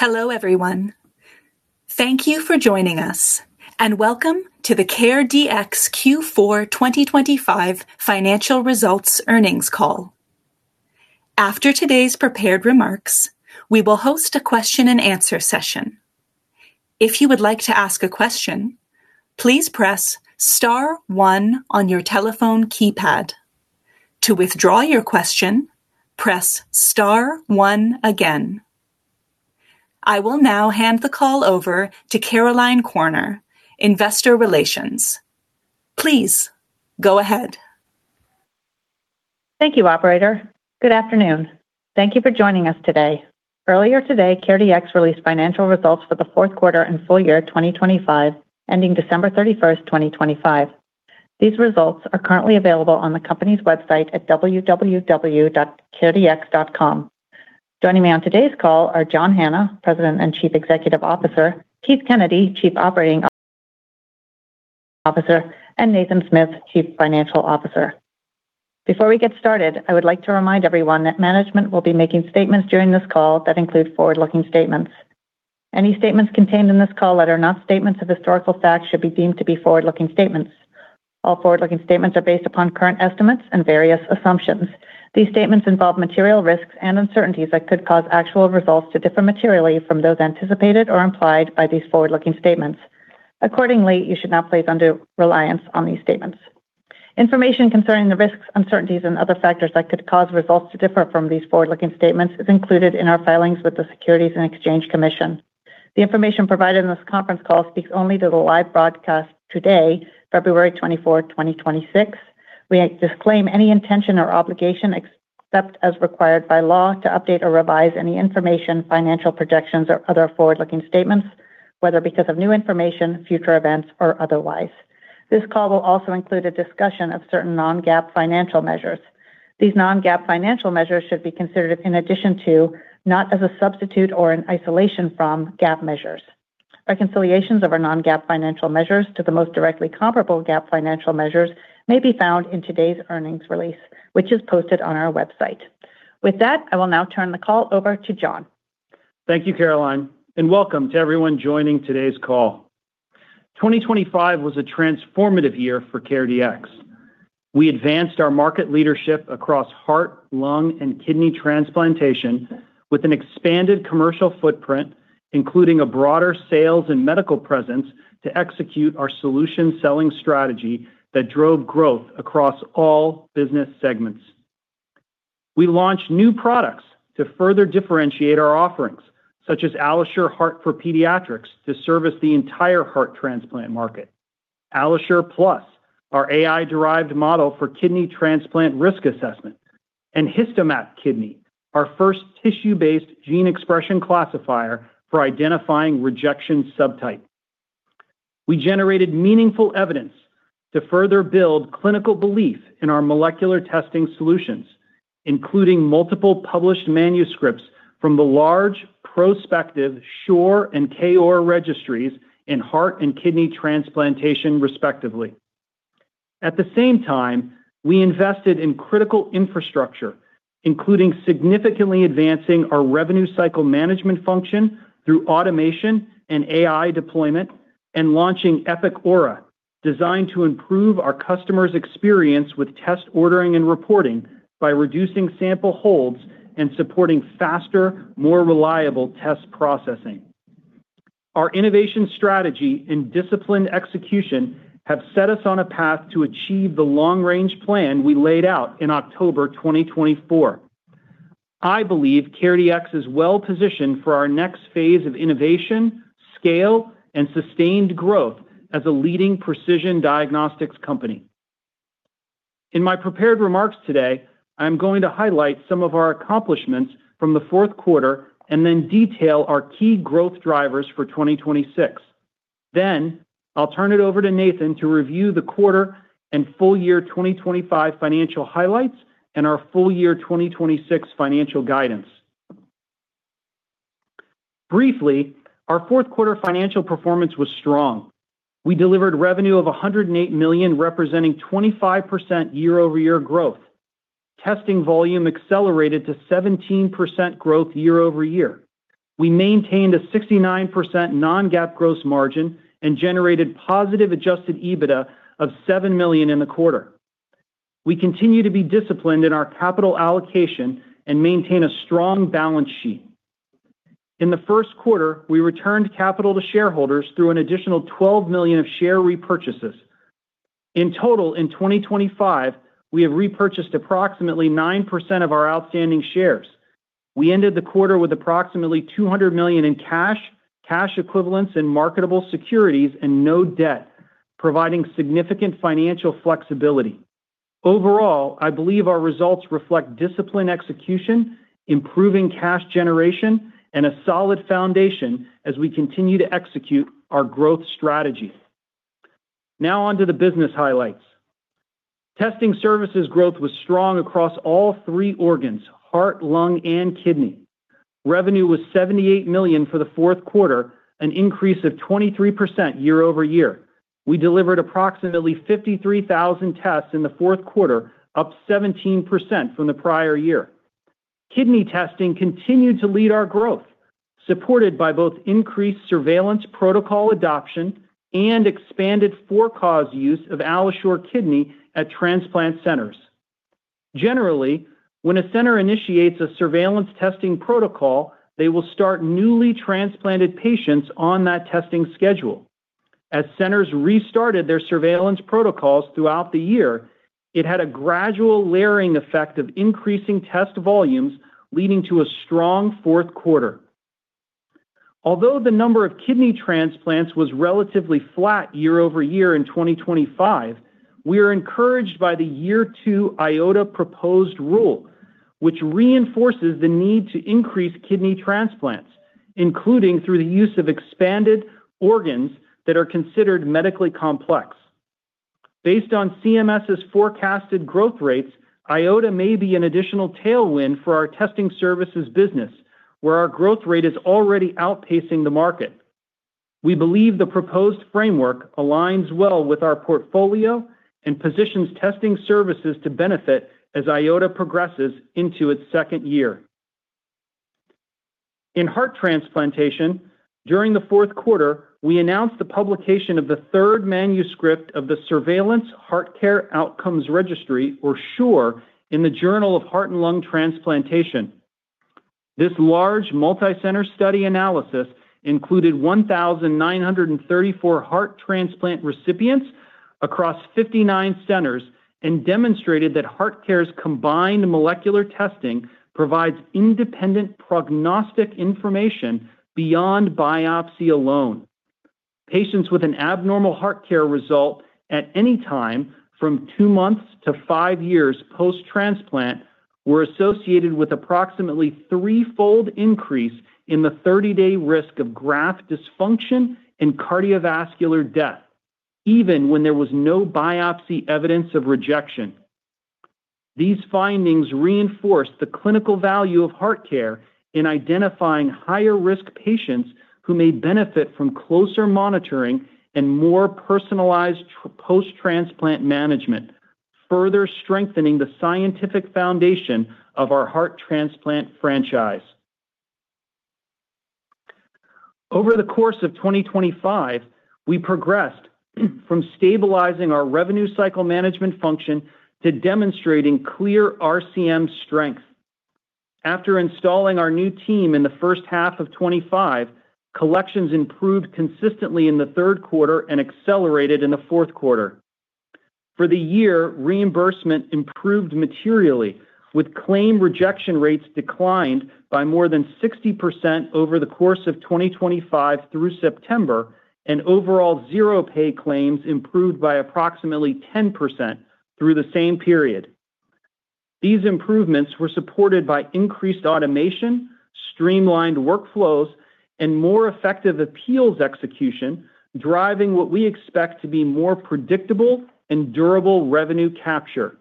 Hello, everyone. Thank you for joining us, welcome to the CareDx Q4 2025 financial results earnings call. After today's prepared remarks, we will host a question-and-answer session. If you would like to ask a question, please press star one on your telephone keypad. To withdraw your question, press star one again. I will now hand the call over to Caroline Corner, Investor Relations. Please go ahead. Thank you, operator. Good afternoon. Thank you for joining us today. Earlier today, CareDx released financial results for the fourth quarter and full-year 2025, ending December 31st, 2025. These results are currently available on the company's website at www.careDx.com. Joining me on today's call are John Hanna, President and Chief Executive Officer; Keith Kennedy, Chief Operating Officer; and Nathan Smith, Chief Financial Officer. Before we get started, I would like to remind everyone that management will be making statements during this call that include forward-looking statements. Any statements contained in this call that are not statements of historical fact should be deemed to be forward-looking statements. All forward-looking statements are based upon current estimates and various assumptions. These statements involve material risks and uncertainties that could cause actual results to differ materially from those anticipated or implied by these forward-looking statements. Accordingly, you should not place undue reliance on these statements. Information concerning the risks, uncertainties, and other factors that could cause results to differ from these forward-looking statements is included in our filings with the Securities and Exchange Commission. The information provided in this conference call speaks only to the live broadcast today, February 24, 2026. We disclaim any intention or obligation, except as required by law, to update or revise any information, financial projections, or other forward-looking statements, whether because of new information, future events, or otherwise. This call will also include a discussion of certain non-GAAP financial measures. These non-GAAP financial measures should be considered in addition to, not as a substitute or in isolation from, GAAP measures. Reconciliations of our non-GAAP financial measures to the most directly comparable GAAP financial measures may be found in today's earnings release, which is posted on our website. With that, I will now turn the call over to John. Thank you, Caroline. Welcome to everyone joining today's call. 2025 was a transformative year for CareDx. We advanced our market leadership across heart, lung, and kidney transplantation with an expanded commercial footprint, including a broader sales and medical presence to execute our solution selling strategy that drove growth across all business segments. We launched new products to further differentiate our offerings, such as AlloSure Heart for Pediatrics, to service the entire heart transplant market, AlloSure Plus, our AI-derived model for kidney transplant risk assessment, and HistoMap Kidney, our first tissue-based gene expression classifier for identifying rejection subtype. We generated meaningful evidence to further build clinical belief in our molecular testing solutions, including multiple published manuscripts from the large prospective SHORE and KOAR registries in heart and kidney transplantation, respectively. At the same time, we invested in critical infrastructure, including significantly advancing our revenue cycle management function through automation and AI deployment, and launching Epic Aura, designed to improve our customers' experience with test ordering and reporting by reducing sample holds and supporting faster, more reliable test processing. Our innovation strategy and disciplined execution have set us on a path to achieve the long-range plan we laid out in October 2024. I believe CareDx is well positioned for our next phase of innovation, scale, and sustained growth as a leading precision diagnostics company. In my prepared remarks today, I'm going to highlight some of our accomplishments from the fourth quarter and then detail our key growth drivers for 2026. I'll turn it over to Nathan to review the quarter and full-year 2025 financial highlights and our full-year 2026 financial guidance. Briefly, our fourth quarter financial performance was strong. We delivered revenue of $108 million, representing 25% year-over-year growth. Testing volume accelerated to 17% growth year-over-year. We maintained a 69% non-GAAP gross margin and generated positive adjusted EBITDA of $7 million in the quarter. We continue to be disciplined in our capital allocation and maintain a strong balance sheet. In the first quarter, we returned capital to shareholders through an additional $12 million of share repurchases. In total, in 2025, we have repurchased approximately 9% of our outstanding shares. We ended the quarter with approximately $200 million in cash equivalents, and marketable securities, and no debt, providing significant financial flexibility. Overall, I believe our results reflect disciplined execution, improving cash generation, and a solid foundation as we continue to execute our growth strategy. Now on to the business highlights. Testing services growth was strong across all three organs: heart, lung, and kidney. Revenue was $78 million for the fourth quarter, an increase of 23% year-over-year. We delivered approximately 53,000 tests in the fourth quarter, up 17% from the prior year. Kidney testing continued to lead our growth, supported by both increased surveillance protocol adoption and expanded for-cause use of AlloSure Kidney at transplant centers. Generally, when a center initiates a surveillance testing protocol, they will start newly transplanted patients on that testing schedule. As centers restarted their surveillance protocols throughout the year, it had a gradual layering effect of increasing test volumes, leading to a strong fourth quarter. Although the number of kidney transplants was relatively flat year-over-year in 2025, we are encouraged by the year two IOTA proposed rule, which reinforces the need to increase kidney transplants, including through the use of expanded organs that are considered medically complex. Based on CMS's forecasted growth rates, IOTA may be an additional tailwind for our testing services business, where our growth rate is already outpacing the market. We believe the proposed framework aligns well with our portfolio and positions testing services to benefit as IOTA progresses into its second year. In heart transplantation, during the fourth quarter, we announced the publication of the third manuscript of the Surveillance HeartCare Outcomes Registry, or SHORE, in The Journal of Heart and Lung Transplantation. This large, multicenter study analysis included 1,934 heart transplant recipients across 59 centers and demonstrated that HeartCare's combined molecular testing provides independent prognostic information beyond biopsy alone. Patients with an abnormal HeartCare result at any time from two months to five years post-transplant were associated with approximately threefold increase in the 30-day risk of graft dysfunction and cardiovascular death, even when there was no biopsy evidence of rejection. These findings reinforce the clinical value of HeartCare in identifying higher-risk patients who may benefit from closer monitoring and more personalized post-transplant management, further strengthening the scientific foundation of our heart transplant franchise. Over the course of 2025, we progressed from stabilizing our revenue cycle management function to demonstrating Clear RCM strength. After installing our new team in the first half of 2025, collections improved consistently in the third quarter and accelerated in the fourth quarter. For the year, reimbursement improved materially, with claim rejection rates declined by more than 60% over the course of 2025 through September, and overall zero pay claims improved by approximately 10% through the same period. These improvements were supported by increased automation, streamlined workflows, and more effective appeals execution, driving what we expect to be more predictable and durable revenue capture.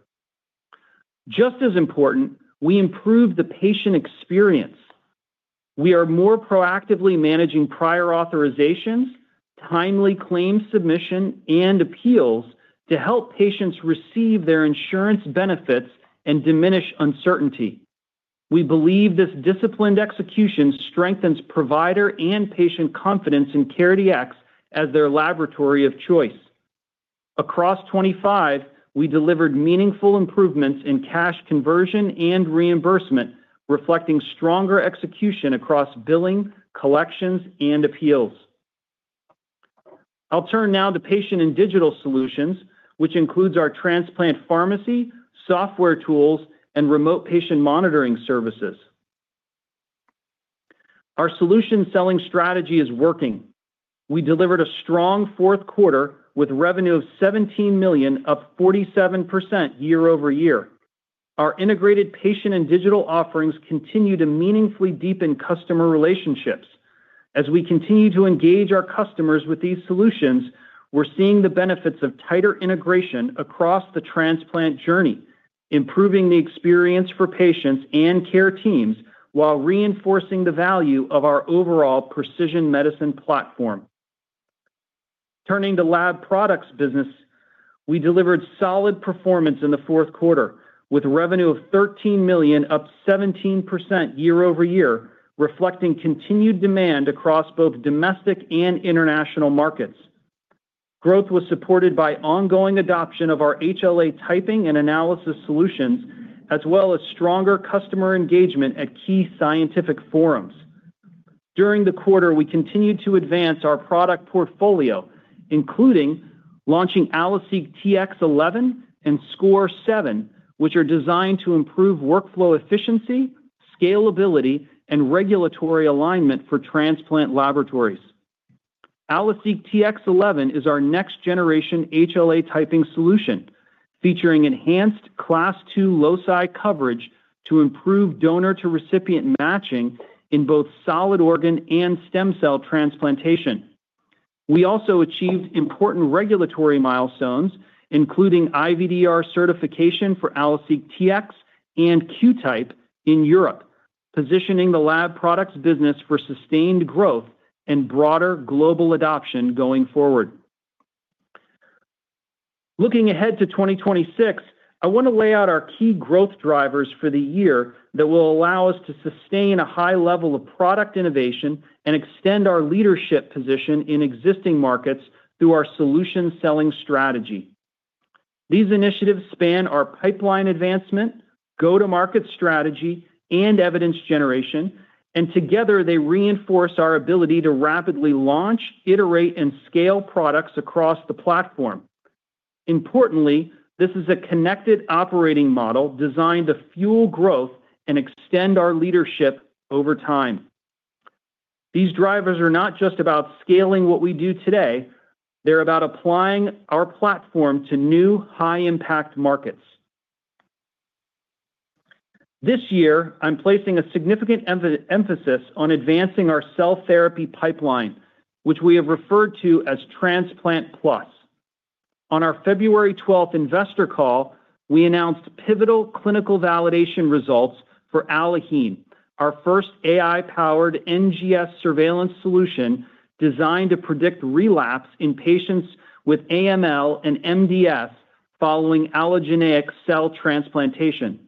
Just as important, we improved the patient experience. We are more proactively managing prior authorizations, timely claim submission and appeals to help patients receive their insurance benefits and diminish uncertainty. We believe this disciplined execution strengthens provider and patient confidence in CareDx as their laboratory of choice. Across 2025, we delivered meaningful improvements in cash conversion and reimbursement, reflecting stronger execution across billing, collections, and appeals. I'll turn now to patient and digital solutions, which includes our transplant pharmacy, software tools, and remote patient monitoring services. Our solution selling strategy is working. We delivered a strong fourth quarter with revenue of $17 million, up 47% year-over-year. Our integrated patient and digital offerings continue to meaningfully deepen customer relationships. As we continue to engage our customers with these solutions, we're seeing the benefits of tighter integration across the transplant journey, improving the experience for patients and care teams while reinforcing the value of our overall precision medicine platform. Turning to lab products business, we delivered solid performance in the fourth quarter, with revenue of $13 million, up 17% year-over-year, reflecting continued demand across both domestic and international markets. Growth was supported by ongoing adoption of our HLA typing and analysis solutions, as well as stronger customer engagement at key scientific forums. During the quarter, we continued to advance our product portfolio, including launching AlloSeq Tx11 and SCORE 7, which are designed to improve workflow efficiency, scalability, and regulatory alignment for transplant laboratories. AlloSeq Tx11 is our next-generation HLA typing solution, featuring enhanced Class II loci coverage to improve donor-to-recipient matching in both solid organ and stem cell transplantation. We also achieved important regulatory milestones, including IVDR certification for AlloSeq Tx and QTYPE in Europe. Positioning the lab products business for sustained growth and broader global adoption going forward. Looking ahead to 2026, I want to lay out our key growth drivers for the year that will allow us to sustain a high level of product innovation and extend our leadership position in existing markets through our solution selling strategy. These initiatives span our pipeline advancement, go-to-market strategy, and evidence generation, and together they reinforce our ability to rapidly launch, iterate, and scale products across the platform. Importantly, this is a connected operating model designed to fuel growth and extend our leadership over time. These drivers are not just about scaling what we do today, they're about applying our platform to new high-impact markets. This year, I'm placing a significant emphasis on advancing our cell therapy pipeline, which we have referred to as Transplant Plus. On our February 12th investor call, we announced pivotal clinical validation results for AlloHeme, our first AI-powered NGS surveillance solution designed to predict relapse in patients with AML and MDS following allogeneic cell transplantation.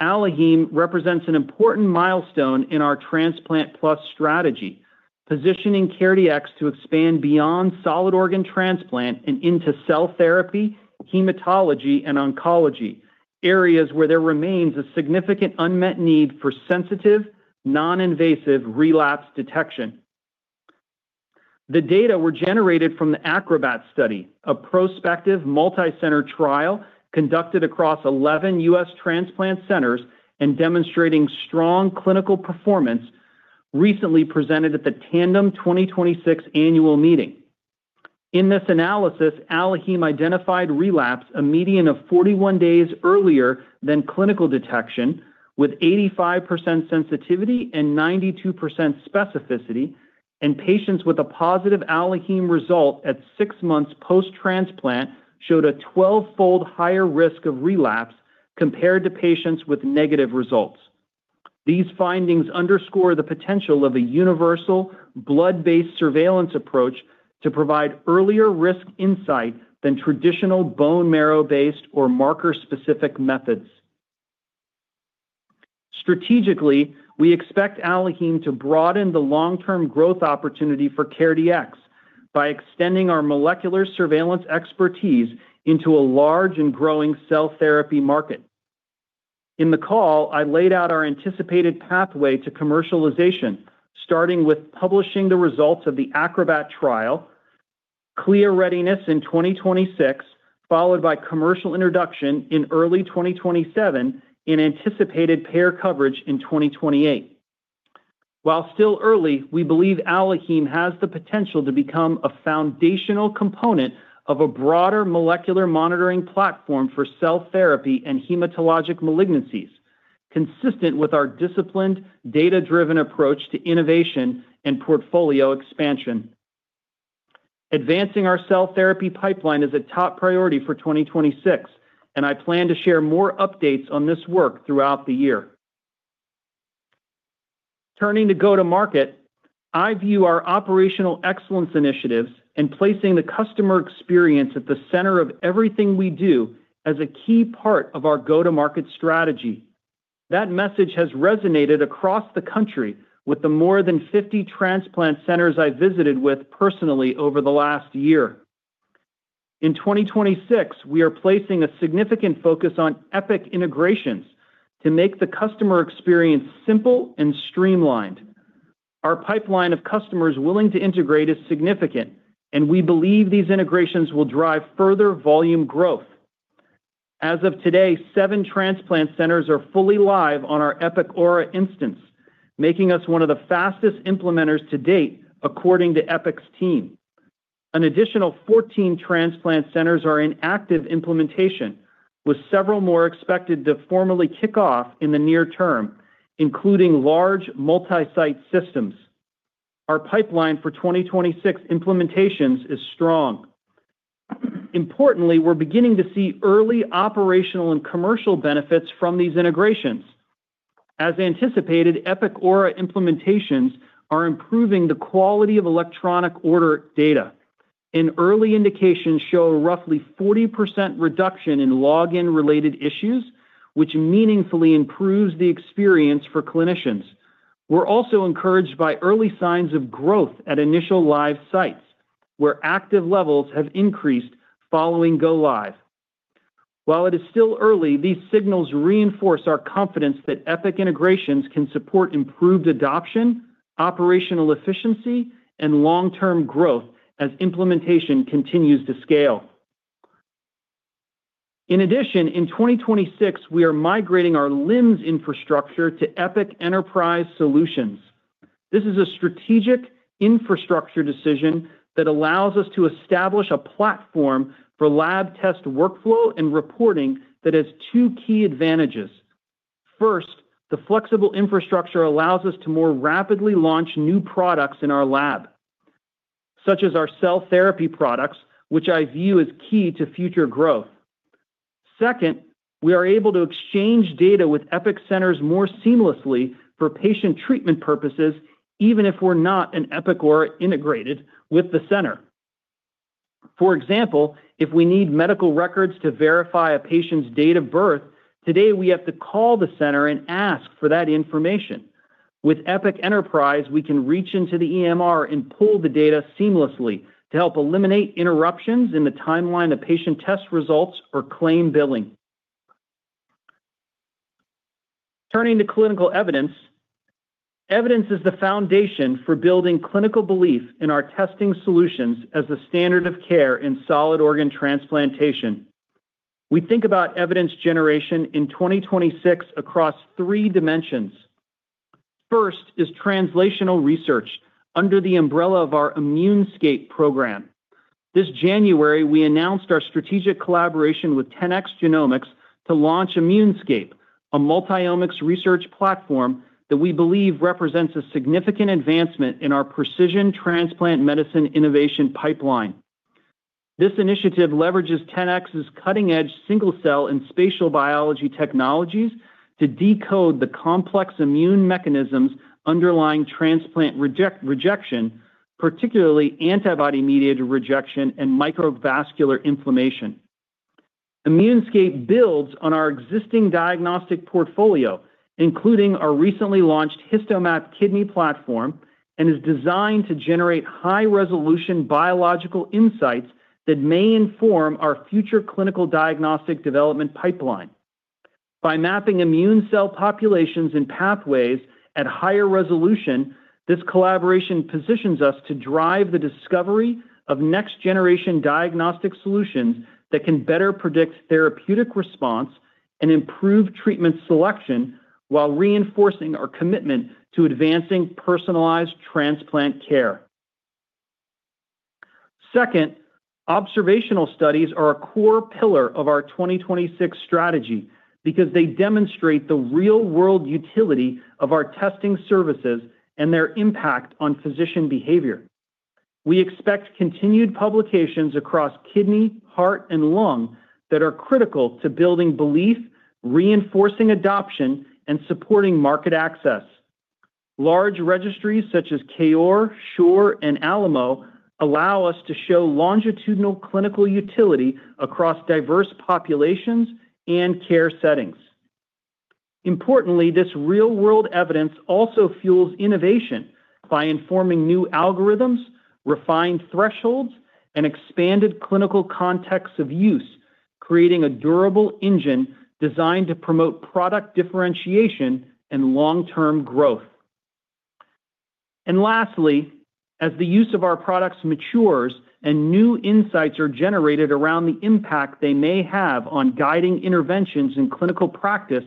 AlloHeme represents an important milestone in our Transplant Plus strategy, positioning CareDx to expand beyond solid organ transplant and into cell therapy, hematology, and oncology, areas where there remains a significant unmet need for sensitive, non-invasive relapse detection. The data were generated from the ACROBAT study, a prospective multicenter trial conducted across 11 U.S. transplant centers and demonstrating strong clinical performance, recently presented at the Tandem 2026 annual meeting. In this analysis, AlloHeme identified relapse a median of 41 days earlier than clinical detection, with 85% sensitivity and 92% specificity, and patients with a positive AlloHeme result at six months post-transplant showed a 12-fold higher risk of relapse compared to patients with negative results. These findings underscore the potential of a universal blood-based surveillance approach to provide earlier risk insight than traditional bone marrow-based or marker-specific methods. Strategically, we expect AlloHeme to broaden the long-term growth opportunity for CareDx by extending our molecular surveillance expertise into a large and growing cell therapy market. In the call, I laid out our anticipated pathway to commercialization, starting with publishing the results of the ACROBAT trial, CLIA readiness in 2026, followed by commercial introduction in early 2027, and anticipated payer coverage in 2028. While still early, we believe AlloHeme has the potential to become a foundational component of a broader molecular monitoring platform for cell therapy and hematologic malignancies, consistent with our disciplined, data-driven approach to innovation and portfolio expansion. Advancing our cell therapy pipeline is a top priority for 2026. I plan to share more updates on this work throughout the year. Turning to go to market, I view our operational excellence initiatives in placing the customer experience at the center of everything we do as a key part of our go-to-market strategy. That message has resonated across the country with the more than 50 transplant centers I visited with personally over the last year. In 2026, we are placing a significant focus on Epic integrations to make the customer experience simple and streamlined. Our pipeline of customers willing to integrate is significant, and we believe these integrations will drive further volume growth. As of today, seven transplant centers are fully live on our Epic Aura instance, making us one of the fastest implementers to date, according to Epic's team. An additional 14 transplant centers are in active implementation, with several more expected to formally kick off in the near term, including large multi-site systems. Our pipeline for 2026 implementations is strong. Importantly, we're beginning to see early operational and commercial benefits from these integrations. As anticipated, Epic Aura implementations are improving the quality of electronic order data. Early indications show roughly 40% reduction in login-related issues, which meaningfully improves the experience for clinicians. We're also encouraged by early signs of growth at initial live sites, where active levels have increased following go live. While it is still early, these signals reinforce our confidence that Epic integrations can support improved adoption, operational efficiency, and long-term growth as implementation continues to scale. In addition, in 2026, we are migrating our LIMS infrastructure to Epic Enterprise Solutions. This is a strategic infrastructure decision that allows us to establish a platform for lab test workflow and reporting that has two key advantages. First, the flexible infrastructure allows us to more rapidly launch new products in our lab. Such as our cell therapy products, which I view as key to future growth. Second, we are able to exchange data with Epic centers more seamlessly for patient treatment purposes, even if we're not an Epic or integrated with the center. For example, if we need medical records to verify a patient's date of birth, today, we have to call the center and ask for that information. With Epic Enterprise, we can reach into the EMR and pull the data seamlessly to help eliminate interruptions in the timeline of patient test results or claim billing. Evidence is the foundation for building clinical belief in our testing solutions as the standard of care in solid organ transplantation. We think about evidence generation in 2026 across three dimensions. First is translational research under the umbrella of our ImmuneScape program. This January, we announced our strategic collaboration with 10x Genomics to launch ImmuneScape, a multi-omics research platform that we believe represents a significant advancement in our precision transplant medicine innovation pipeline. This initiative leverages Tenax's cutting-edge single-cell and spatial biology technologies to decode the complex immune mechanisms underlying transplant rejection, particularly antibody-mediated rejection and microvascular inflammation. ImmuneScape builds on our existing diagnostic portfolio, including our recently launched HistoMap Kidney platform, and is designed to generate high-resolution biological insights that may inform our future clinical diagnostic development pipeline. By mapping immune cell populations and pathways at higher resolution, this collaboration positions us to drive the discovery of next-generation diagnostic solutions that can better predict therapeutic response and improve treatment selection while reinforcing our commitment to advancing personalized transplant care. Second, observational studies are a core pillar of our 2026 strategy because they demonstrate the real-world utility of our testing services and their impact on physician behavior. We expect continued publications across kidney, heart, and lung that are critical to building belief, reinforcing adoption, and supporting market access. Large registries such as KOAR, SHORE, and ALAMO allow us to show longitudinal clinical utility across diverse populations and care settings. Importantly, this real-world evidence also fuels innovation by informing new algorithms, refined thresholds, and expanded clinical contexts of use, creating a durable engine designed to promote product differentiation and long-term growth. Lastly, as the use of our products matures and new insights are generated around the impact they may have on guiding interventions in clinical practice,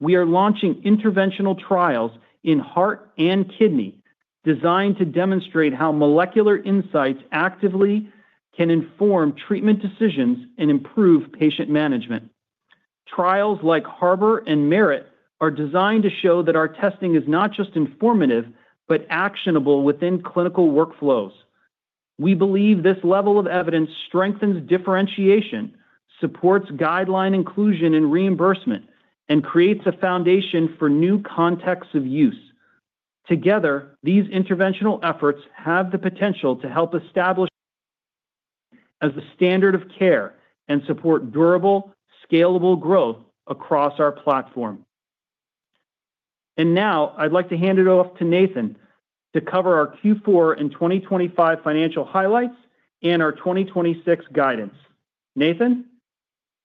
we are launching interventional trials in heart and kidney, designed to demonstrate how molecular insights actively can inform treatment decisions and improve patient management. Trials like HARBOR and MERIT are designed to show that our testing is not just informative but actionable within clinical workflows. We believe this level of evidence strengthens differentiation, supports guideline inclusion and reimbursement, and creates a foundation for new contexts of use. Together, these interventional efforts have the potential to help establish as the standard of care and support durable, scalable growth across our platform. Now I'd like to hand it off to Nathan to cover our Q4 and 2025 financial highlights and our 2026 guidance. Nathan?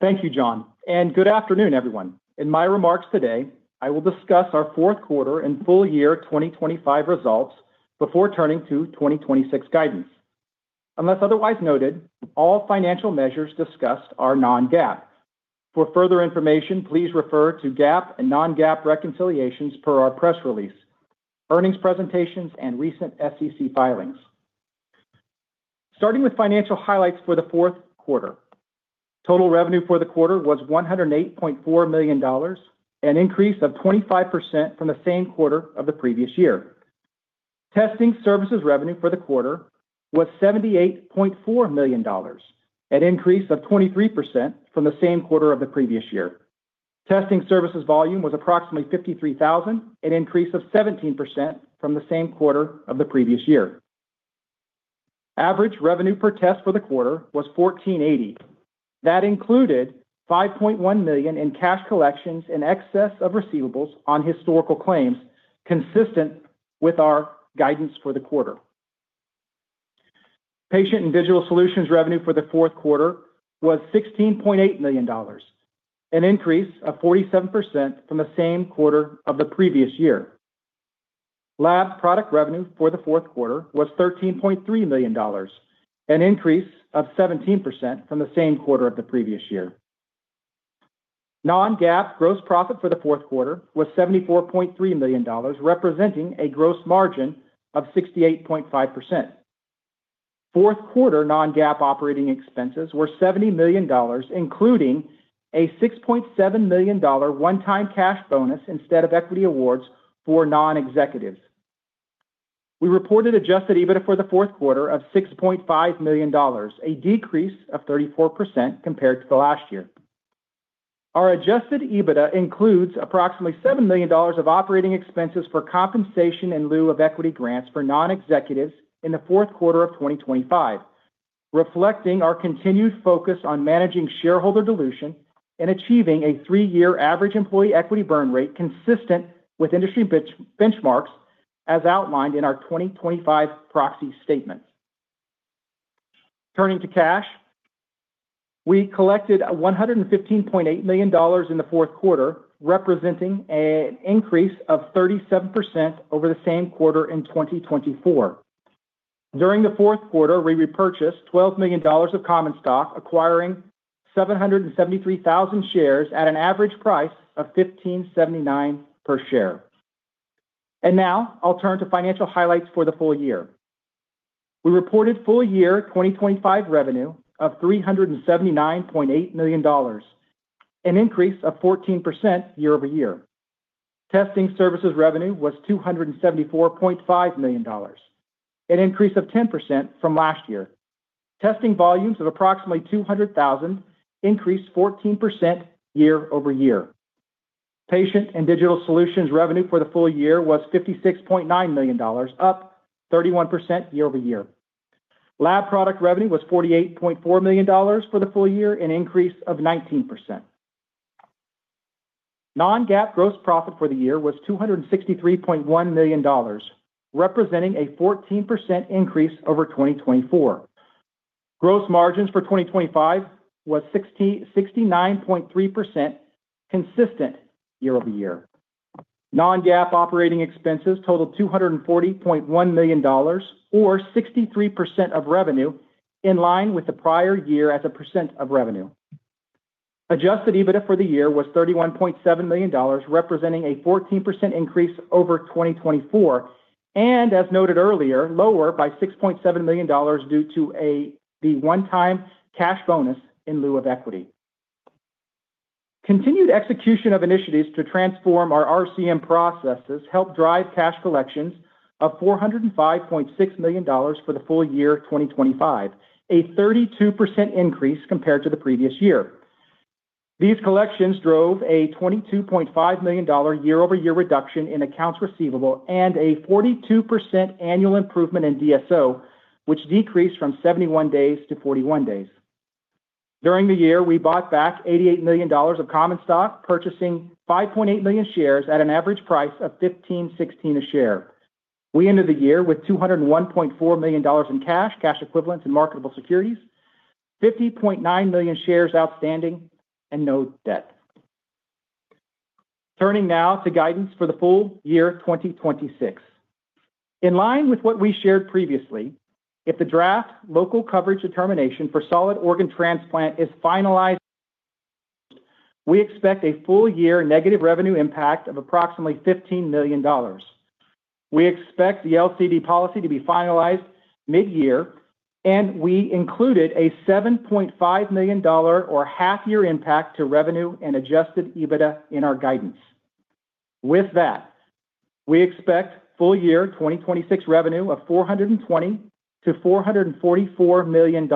Thank you, John. Good afternoon, everyone. In my remarks today, I will discuss our fourth quarter and full-year 2025 results before turning to 2026 guidance. Unless otherwise noted, all financial measures discussed are non-GAAP. For further information, please refer to GAAP and non-GAAP reconciliations per our press release, earnings presentations, and recent SEC filings. Starting with financial highlights for the fourth quarter. Total revenue for the quarter was $108.4 million, an increase of 25% from the same quarter of the previous year. Testing services revenue for the quarter was $78.4 million, an increase of 23% from the same quarter of the previous year. Testing services volume was approximately 53,000, an increase of 17% from the same quarter of the previous year. Average revenue per test for the quarter was $1,480. That included $5.1 million in cash collections in excess of receivables on historical claims, consistent with our guidance for the quarter. Patient and digital solutions revenue for the fourth quarter was $16.8 million, an increase of 47% from the same quarter of the previous year. Lab product revenue for the fourth quarter was $13.3 million, an increase of 17% from the same quarter of the previous year. Non-GAAP gross profit for the fourth quarter was $74.3 million, representing a gross margin of 68.5%. Fourth quarter Non-GAAP operating expenses were $70 million, including a $6.7 million one-time cash bonus instead of equity awards for non-executives. We reported adjusted EBITDA for the fourth quarter of $6.5 million, a decrease of 34% compared to the last year. Our adjusted EBITDA includes approximately $7 million of operating expenses for compensation in lieu of equity grants for non-executives in the fourth quarter of 2025, reflecting our continued focus on managing shareholder dilution and achieving a three-year average employee equity burn rate consistent with industry benchmarks, as outlined in our 2025 proxy statement. Turning to cash, we collected $115.8 million in the fourth quarter, representing an increase of 37% over the same quarter in 2024. During the fourth quarter, we repurchased $12 million of common stock, acquiring 773,000 shares at an average price of $15.79 per share. Now I'll turn to financial highlights for the full-year. We reported full-year 2025 revenue of $379.8 million, an increase of 14% year-over-year. Testing services revenue was $274.5 million, an increase of 10% from last year. Testing volumes of approximately 200,000 increased 14% year-over-year. Patient and digital solutions revenue for the full-year was $56.9 million, up 31% year-over-year. Lab product revenue was $48.4 million for the full-year, an increase of 19%. Non-GAAP gross profit for the year was $263.1 million, representing a 14% increase over 2024. Gross margins for 2025 was 69.3%, consistent year-over-year. Non-GAAP operating expenses totaled $240.1 million or 63% of revenue, in line with the prior year as a percent of revenue. Adjusted EBITDA for the year was $31.7 million, representing a 14% increase over 2024. As noted earlier, lower by $6.7 million due to the one-time cash bonus in lieu of equity. Continued execution of initiatives to transform our RCM processes helped drive cash collections of $405.6 million for the full-year 2025, a 32% increase compared to the previous year. These collections drove a $22.5 million year-over-year reduction in accounts receivable and a 42% annual improvement in DSO, which decreased from 71 days to 41 days. During the year, we bought back $88 million of common stock, purchasing 5.8 million shares at an average price of $15.16 a share. We ended the year with $201.4 million in cash equivalents, and marketable securities, 50.9 million shares outstanding, and no debt. Turning now to guidance for the full-year 2026. In line with what we shared previously, if the draft Local Coverage Determination for solid organ transplant is finalized, we expect a full-year negative revenue impact of approximately $15 million. We expect the LCD policy to be finalized mid-year, and we included a $7.5 million or half year impact to revenue and adjusted EBITDA in our guidance. With that, we expect full-year 2026 revenue of $420 million-$444 million.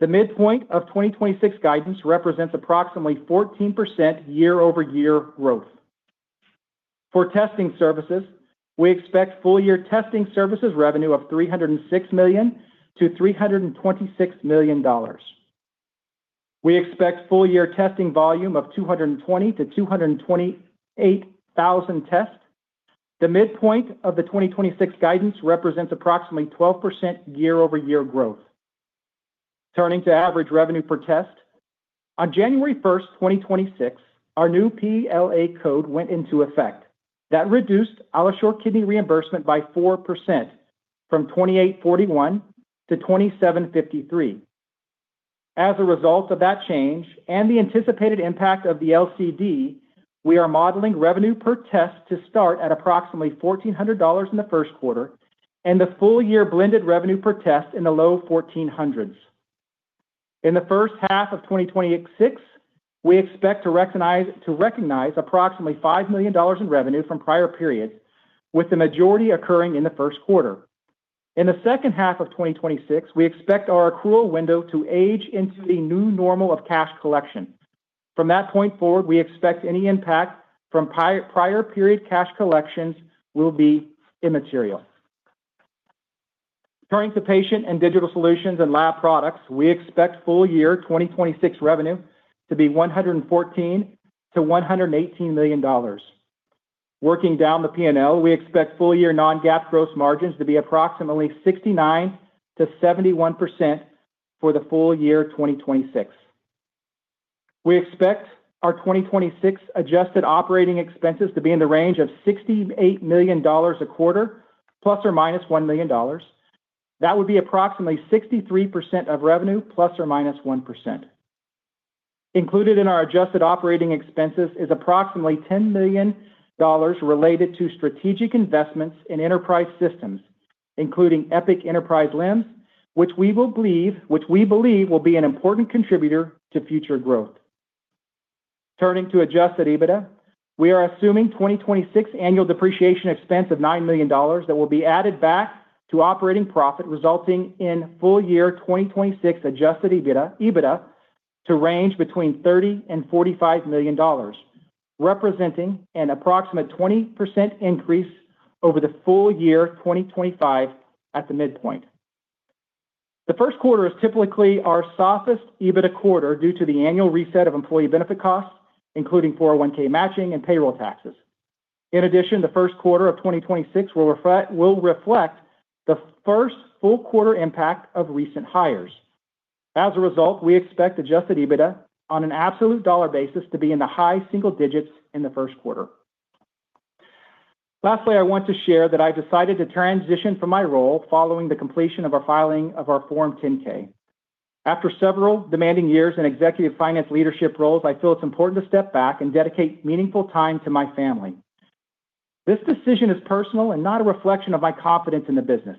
The midpoint of 2026 guidance represents approximately 14% year-over-year growth. For testing services, we expect full-year testing services revenue of $306 million-$326 million. We expect full-year testing volume of 220,000-228,000 tests. The midpoint of the 2026 guidance represents approximately 12% year-over-year growth. Turning to average revenue per test, on January 1st, 2026, our new PLA code went into effect. That reduced our AlloSure Kidney reimbursement by 4% from $2,841 to $2,753. As a result of that change and the anticipated impact of the LCD, we are modeling revenue per test to start at approximately $1,400 in the first quarter and the full-year blended revenue per test in the low 1,400s. In the first half of 2026, we expect to recognize approximately $5 million in revenue from prior periods, with the majority occurring in the first quarter. In the second half of 2026, we expect our accrual window to age into the new normal of cash collection. From that point forward, we expect any impact from prior period cash collections will be immaterial. Turning to patient and digital solutions and lab products, we expect full-year 2026 revenue to be $114 million-$118 million. Working down the P&L, we expect full-year non-GAAP gross margins to be approximately 69%-71% for the full-year 2026. We expect our 2026 adjusted operating expenses to be in the range of $68 million a quarter, ±$1 million. That would be approximately 63% of revenue, ±1%. Included in our adjusted operating expenses is approximately $10 million related to strategic investments in enterprise systems, including Epic Enterprise LIMS, which we believe will be an important contributor to future growth. Turning to adjusted EBITDA, we are assuming 2026 annual depreciation expense of $9 million that will be added back to operating profit, resulting in full-year 2026 adjusted EBITDA to range between $30 million to $45 million, representing an approximate 20% increase over the full-year 2025 at the midpoint. The first quarter is typically our softest EBITDA quarter due to the annual reset of employee benefit costs, including 401(k) matching and payroll taxes. In addition, the first quarter of 2026 will reflect the first full quarter impact of recent hires. As a result, we expect adjusted EBITDA on an absolute dollar basis to be in the high single digits in the first quarter. Lastly, I want to share that I decided to transition from my role following the completion of our filing of our Form 10-K. After several demanding years in executive finance leadership roles, I feel it's important to step back and dedicate meaningful time to my family. This decision is personal and not a reflection of my confidence in the business.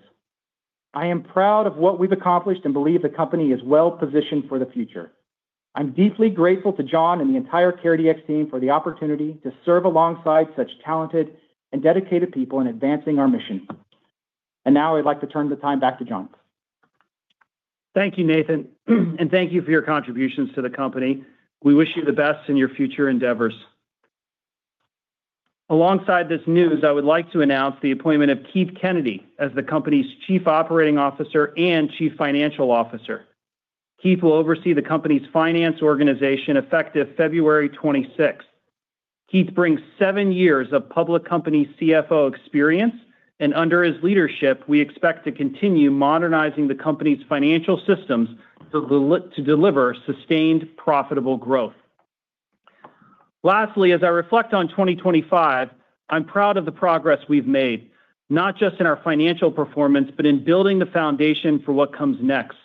I am proud of what we've accomplished and believe the company is well-positioned for the future. I'm deeply grateful to John and the entire CareDx team for the opportunity to serve alongside such talented and dedicated people in advancing our mission. Now I'd like to turn the time back to John. Thank you, Nathan, and thank you for your contributions to the company. We wish you the best in your future endeavors. Alongside this news, I would like to announce the appointment of Keith Kennedy as the company's Chief Operating Officer and Chief Financial Officer. Keith will oversee the company's finance organization effective February 26th. Keith brings seven years of public company CFO experience, and under his leadership, we expect to continue modernizing the company's financial systems to deliver sustained, profitable growth. Lastly, as I reflect on 2025, I'm proud of the progress we've made, not just in our financial performance, but in building the foundation for what comes next.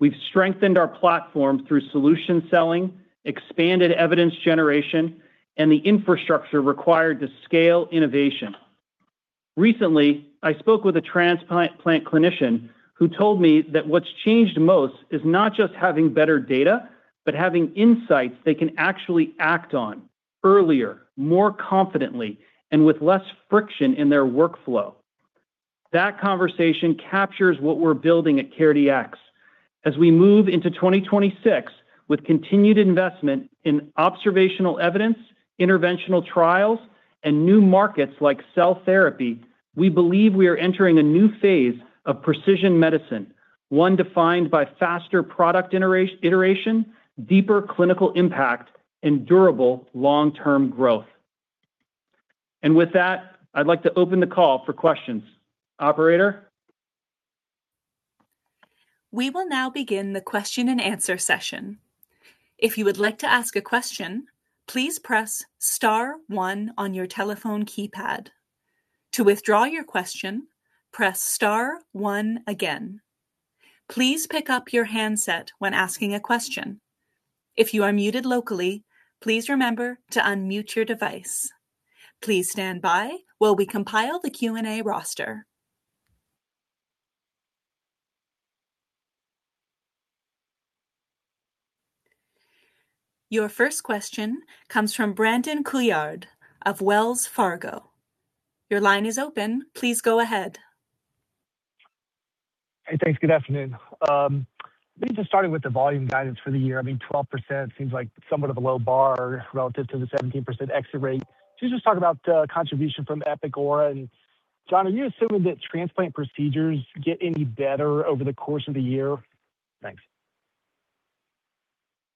We've strengthened our platform through solution selling, expanded evidence generation, and the infrastructure required to scale innovation. Recently, I spoke with a transplant clinician who told me that what's changed most is not just having better data, but having insights they can actually act on earlier, more confidently, and with less friction in their workflow. That conversation captures what we're building at CareDx. As we move into 2026 with continued investment in observational evidence, interventional trials, and new markets like cell therapy, we believe we are entering a new phase of precision medicine, one defined by faster product iteration, deeper clinical impact, and durable long-term growth. With that, I'd like to open the call for questions. Operator? We will now begin the question-and-answer session. If you would like to ask a question, please press star one on your telephone keypad. To withdraw your question, press star one again. Please pick up your handset when asking a question. If you are muted locally, please remember to unmute your device. Please stand by while we compile the Q&A roster. Your first question comes from Brandon Couillard of Wells Fargo. Your line is open. Please go ahead. Hey, thanks. Good afternoon. Maybe just starting with the volume guidance for the year, I mean, 12% seems like somewhat of a low bar relative to the 17% exit rate. Can you just talk about the contribution from Epic Aura? John, are you assuming that transplant procedures get any better over the course of the year? Thanks.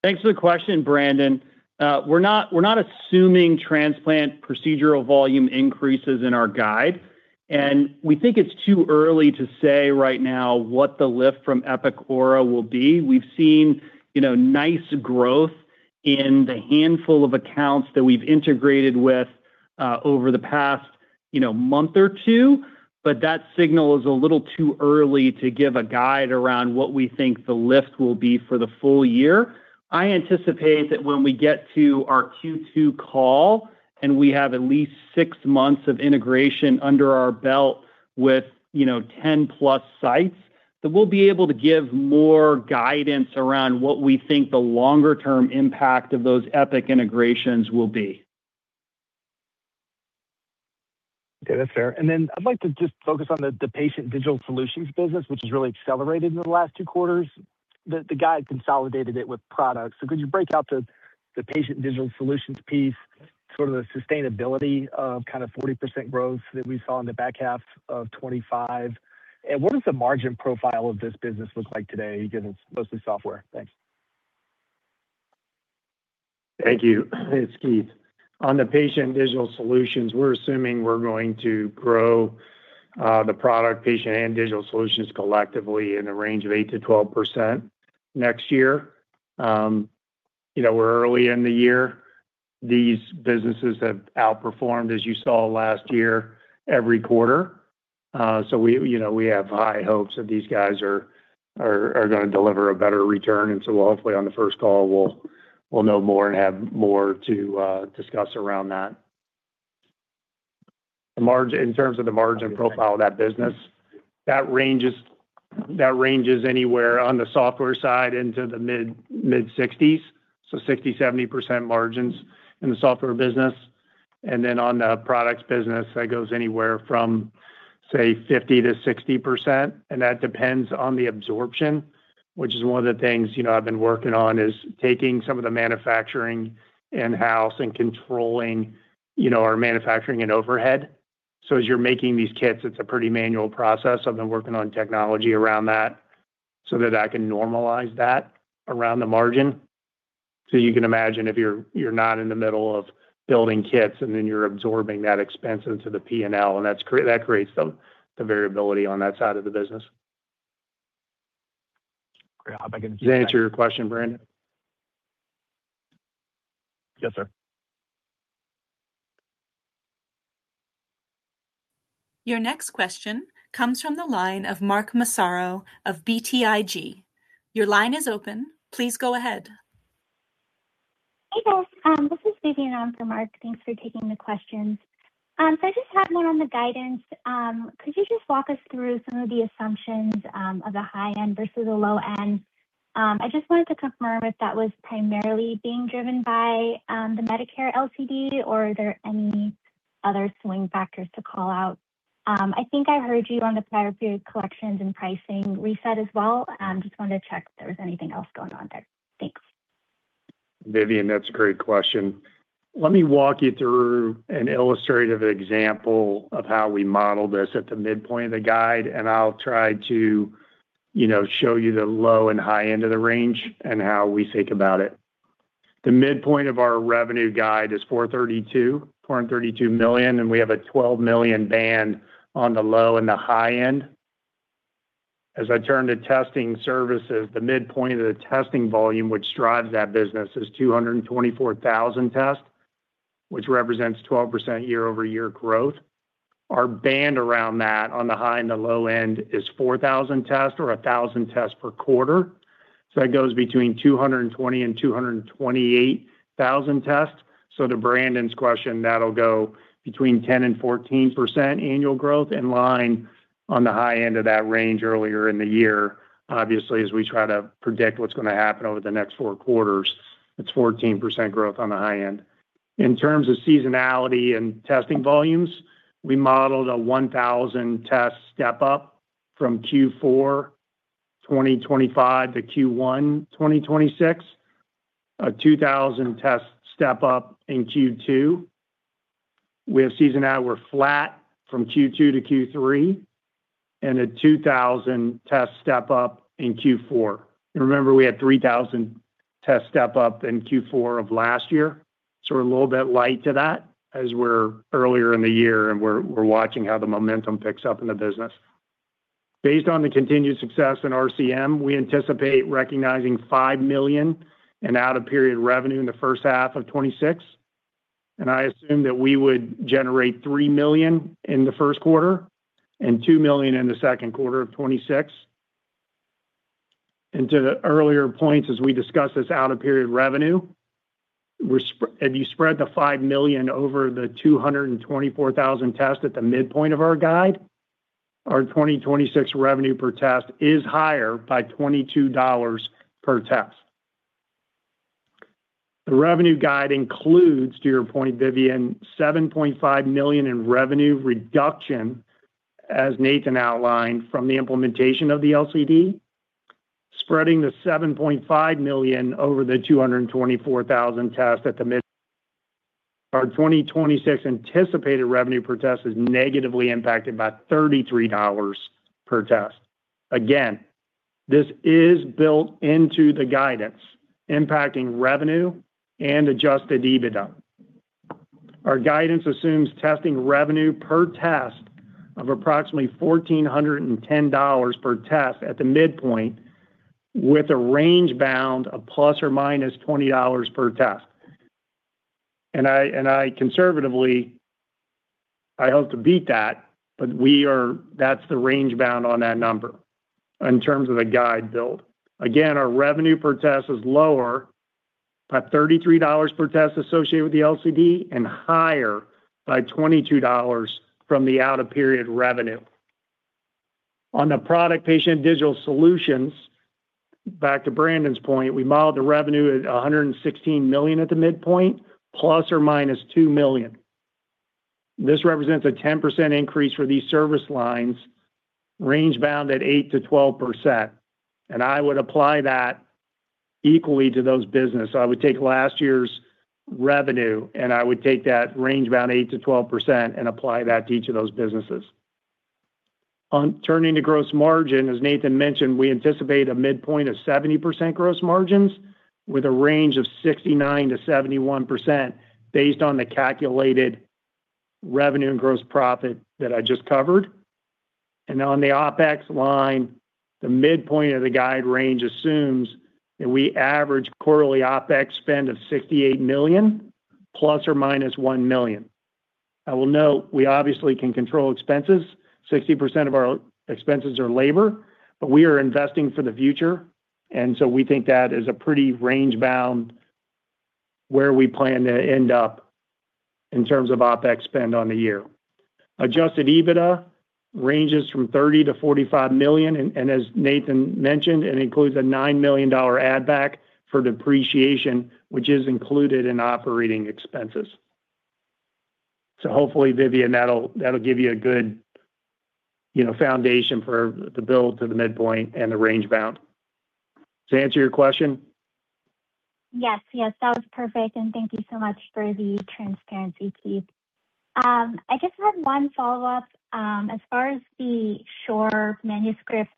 Thanks for the question, Brandon. We're not assuming transplant procedural volume increases in our guide, and we think it's too early to say right now what the lift from Epic Aura will be. We've seen, you know, nice growth in the handful of accounts that we've integrated with, over the past, you know, month or two, but that signal is a little too early to give a guide around what we think the lift will be for the full-year. I anticipate that when we get to our Q2 call, and we have at least six months of integration under our belt with, you know, 10+ sites, that we'll be able to give more guidance around what we think the longer-term impact of those Epic integrations will be. Okay, that's fair. Then I'd like to just focus on the patient digital solutions business, which has really accelerated in the last two quarters. The, the guide consolidated it with products. Could you break out the patient digital solutions piece, sort of the sustainability of kind of 40% growth that we saw in the back half of 2025? What does the margin profile of this business look like today, given it's mostly software? Thanks. Thank you. It's Keith. On the patient digital solutions, we're assuming we're going to grow the product patient and digital solutions collectively in the range of 8%-12% next year. You know, we're early in the year. These businesses have outperformed, as you saw last year, every quarter. We, you know, we have high hopes that these guys are gonna deliver a better return. Hopefully on the first call. We'll know more and have more to discuss around that. The margin, in terms of the margin profile of that business, that ranges anywhere on the software side into the mid-sixties, so 60%-70% margins in the software business. On the products business, that goes anywhere from, say, 50%-60%, and that depends on the absorption, which is one of the things, you know, I've been working on, is taking some of the manufacturing in-house and controlling, you know, our manufacturing and overhead. As you're making these kits, it's a pretty manual process. I've been working on technology around that so that I can normalize that around the margin. you can imagine if you're not in the middle of building kits, and then you're absorbing that expense into the P&L, and that creates the variability on that side of the business. Great. If I can just- Does that answer your question, Brandon? Yes, sir. Your next question comes from the line of Mark Massaro of BTIG. Your line is open. Please go ahead. Hey, guys. This is Vivian in for Mark. Thanks for taking the questions. I just had one on the guidance. Could you just walk us through some of the assumptions, of the high end versus the low end? I just wanted to confirm if that was primarily being driven by the Medicare LCD, or are there any other swing factors to call out? I think I heard you on the prior period collections and pricing reset as well. Just wanted to check if there was anything else going on there. Thanks. Vivian, that's a great question. Let me walk you through an illustrative example of how we model this at the midpoint of the guide, and I'll try to, you know, show you the low and high end of the range and how we think about it. The midpoint of our revenue guide is $432 million, and we have a $12 million band on the low and the high end. As I turn to testing services, the midpoint of the testing volume, which drives that business, is 224,000 tests, which represents 12% year-over-year growth. Our band around that on the high and the low end is 4,000 tests or 1,000 tests per quarter. That goes between 220,000 and 228,000 tests. To Brandon's question, that'll go between 10% and 14% annual growth in line on the high end of that range earlier in the year. Obviously, as we try to predict what's going to happen over the next four quarters, it's 14% growth on the high end. In terms of seasonality and testing volumes, we modeled a 1,000 test step-up from Q4 2025 to Q1 2026, a 2,000 test step-up in Q2. We have seasonality flat from Q2 to Q3 and a 2,000 test step-up in Q4. Remember, we had 3,000 test step-up in Q4 of last year, so we're a little bit light to that as we're earlier in the year, and we're watching how the momentum picks up in the business. Based on the continued success in RCM, we anticipate recognizing $5 million in out-of-period revenue in the first half of 2026. I assume that we would generate $3 million in the first quarter and $2 million in the second quarter of 2026. To the earlier points, as we discuss this out-of-period revenue, if you spread the $5 million over the 224,000 tests at the midpoint of our guide, our 2026 revenue per test is higher by $22 per test. The revenue guide includes, to your point, Vivian, $7.5 million in revenue reduction, as Nathan outlined from the implementation of the LCD, spreading the $7.5 million over the 224,000 tests. Our 2026 anticipated revenue per test is negatively impacted by $33 per test. Again, this is built into the guidance, impacting revenue and adjusted EBITDA. Our guidance assumes testing revenue per test of approximately $1,410 per test at the midpoint, with a range bound of ±$20 per test. And I conservatively, I hope to beat that, but that's the range bound on that number in terms of the guide build. Again, our revenue per test is lower by $33 per test associated with the LCD, and higher by $22 from the out-of-period revenue. On the product patient digital solutions, back to Brandon's point, we modeled the revenue at $116 million at the midpoint, ±$2 million. This represents a 10% increase for these service lines, range bound at 8%-12%, and I would apply that equally to those business. I would take last year's revenue, and I would take that range bound 8%-12% and apply that to each of those businesses. On turning to gross margin, as Nathan mentioned, we anticipate a midpoint of 70% gross margins with a range of 69%-71%, based on the calculated revenue and gross profit that I just covered. On the OpEx line, the midpoint of the guide range assumes that we average quarterly OpEx spend of $68 million, ±$1 million. I will note, we obviously can control expenses. 60% of our expenses are labor, but we are investing for the future, and so we think that is a pretty range bound where we plan to end up in terms of OpEx spend on the year. Adjusted EBITDA ranges from $30 million-$45 million, and as Nathan mentioned, it includes a $9 million add back for depreciation, which is included in operating expenses. Hopefully, Vivian, that'll give you a good, you know, foundation for the build to the midpoint and the range bound. Does that answer your question? Yes. Yes, that was perfect, and thank you so much for the transparency, Keith. I just had one follow-up. As far as the SHORE manuscript,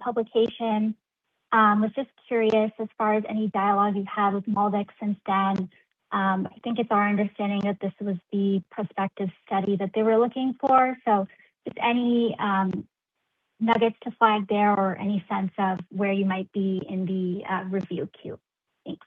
publication, I was just curious, as far as any dialogue you've had with MolDX since then. I think it's our understanding that this was the prospective study that they were looking for. Just any nuggets to flag there or any sense of where you might be in the review queue? Thanks.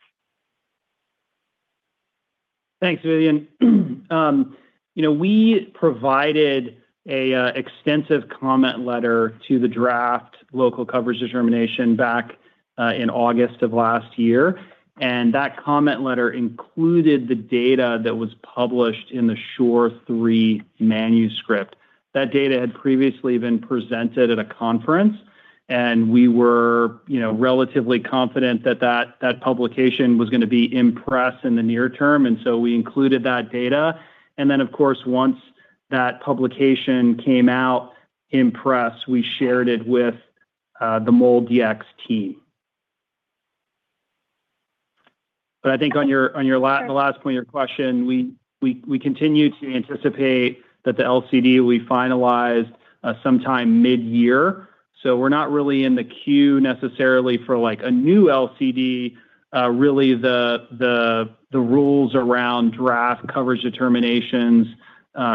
Thanks, Vivian. You know, we provided a extensive comment letter to the draft Local Coverage Determination back in August of last year. That comment letter included the data that was published in the SHORE III manuscript. That data had previously been presented at a conference. We were, you know, relatively confident that publication was gonna be in press in the near term. We included that data. Of course, once that publication came out in press, we shared it with the MolDX team. I think on your last point of your question, we continue to anticipate that the LCD will be finalized sometime mid-year. We're not really in the queue necessarily for, like, a new LCD. Really, the rules around draft coverage determinations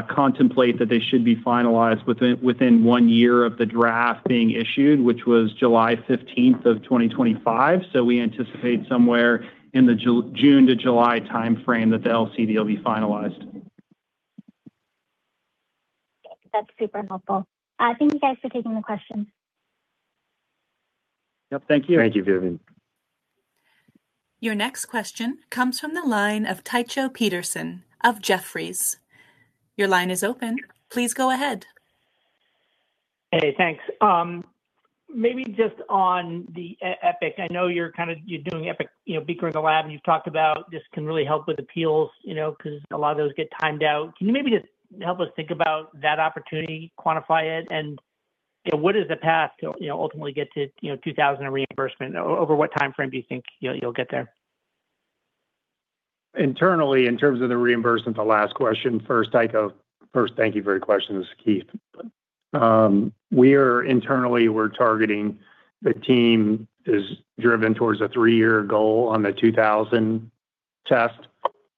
contemplate that they should be finalized within one year of the draft being issued, which was July 15th, 2025. We anticipate somewhere in the June to July time frame that the LCD will be finalized. That's super helpful. Thank you guys for taking the question. Yep, thank you. Thank you, Vivian. Your next question comes from the line of Tycho Peterson of Jefferies. Your line is open. Please go ahead. Hey, thanks. Maybe just on the Epic, I know you're doing Epic, you know, Beaker in the lab, you've talked about this can really help with appeals, you know, 'cause a lot of those get timed out. Can you maybe just help us think about that opportunity, quantify it, and, you know, what is the path to, you know, ultimately get to, you know, 2,000 in reimbursement? Over what timeframe do you think you'll get there? Internally, in terms of the reimbursement, the last question first, Tycho. First, thank you for your question. This is Keith. We are internally, we're targeting the team is driven towards a three-year goal on the 2,000 test,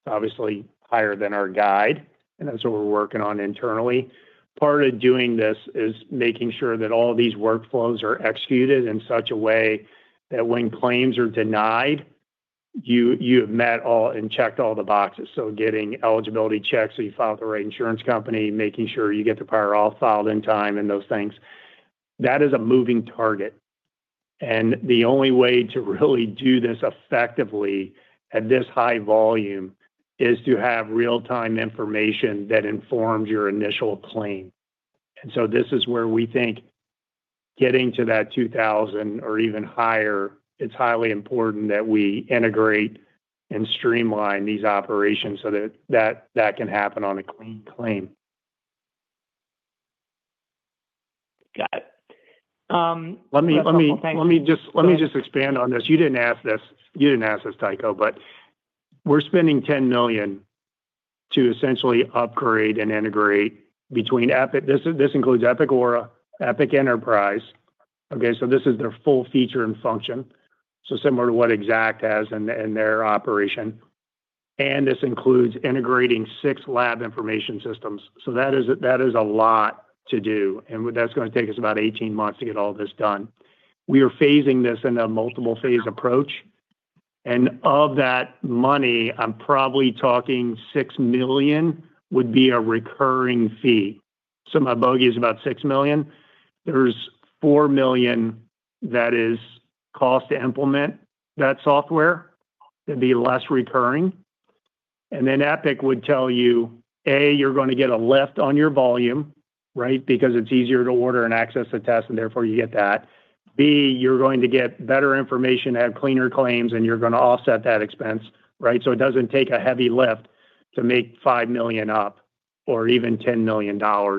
obviously higher than our guide, and that's what we're working on internally. Part of doing this is making sure that all these workflows are executed in such a way that when claims are denied, you have met all and checked all the boxes. Getting eligibility checks, so you file with the right insurance company, making sure you get the prior auth filed in time, and those things. That is a moving target, and the only way to really do this effectively at this high volume is to have real-time information that informs your initial claim. This is where we think getting to that 2,000 or even higher, it's highly important that we integrate and streamline these operations so that that can happen on a clean claim. Got it. Let me. Okay. Let me just expand on this. You didn't ask this, Tycho, we're spending $10 million to essentially upgrade and integrate between Epic. This includes Epic Aura, Epic Enterprise. Okay, so this is their full feature and function, similar to what Exact has in their operation. And this includes integrating six lab information systems. That is a lot to do, and that's gonna take us about 18 months to get all this done. We are phasing this in a multiple-phase approach, and of that money, I'm probably talking $6 million would be a recurring fee. My bogey is about $6 million. There's $4 million that is cost to implement that software. It'd be less recurring. Epic would tell you, A, you're gonna get a lift on your volume, right? It's easier to order and access the test, and therefore, you get that. B, you're going to get better information, have cleaner claims, and you're gonna offset that expense, right? It doesn't take a heavy lift to make $5 million up or even $10 million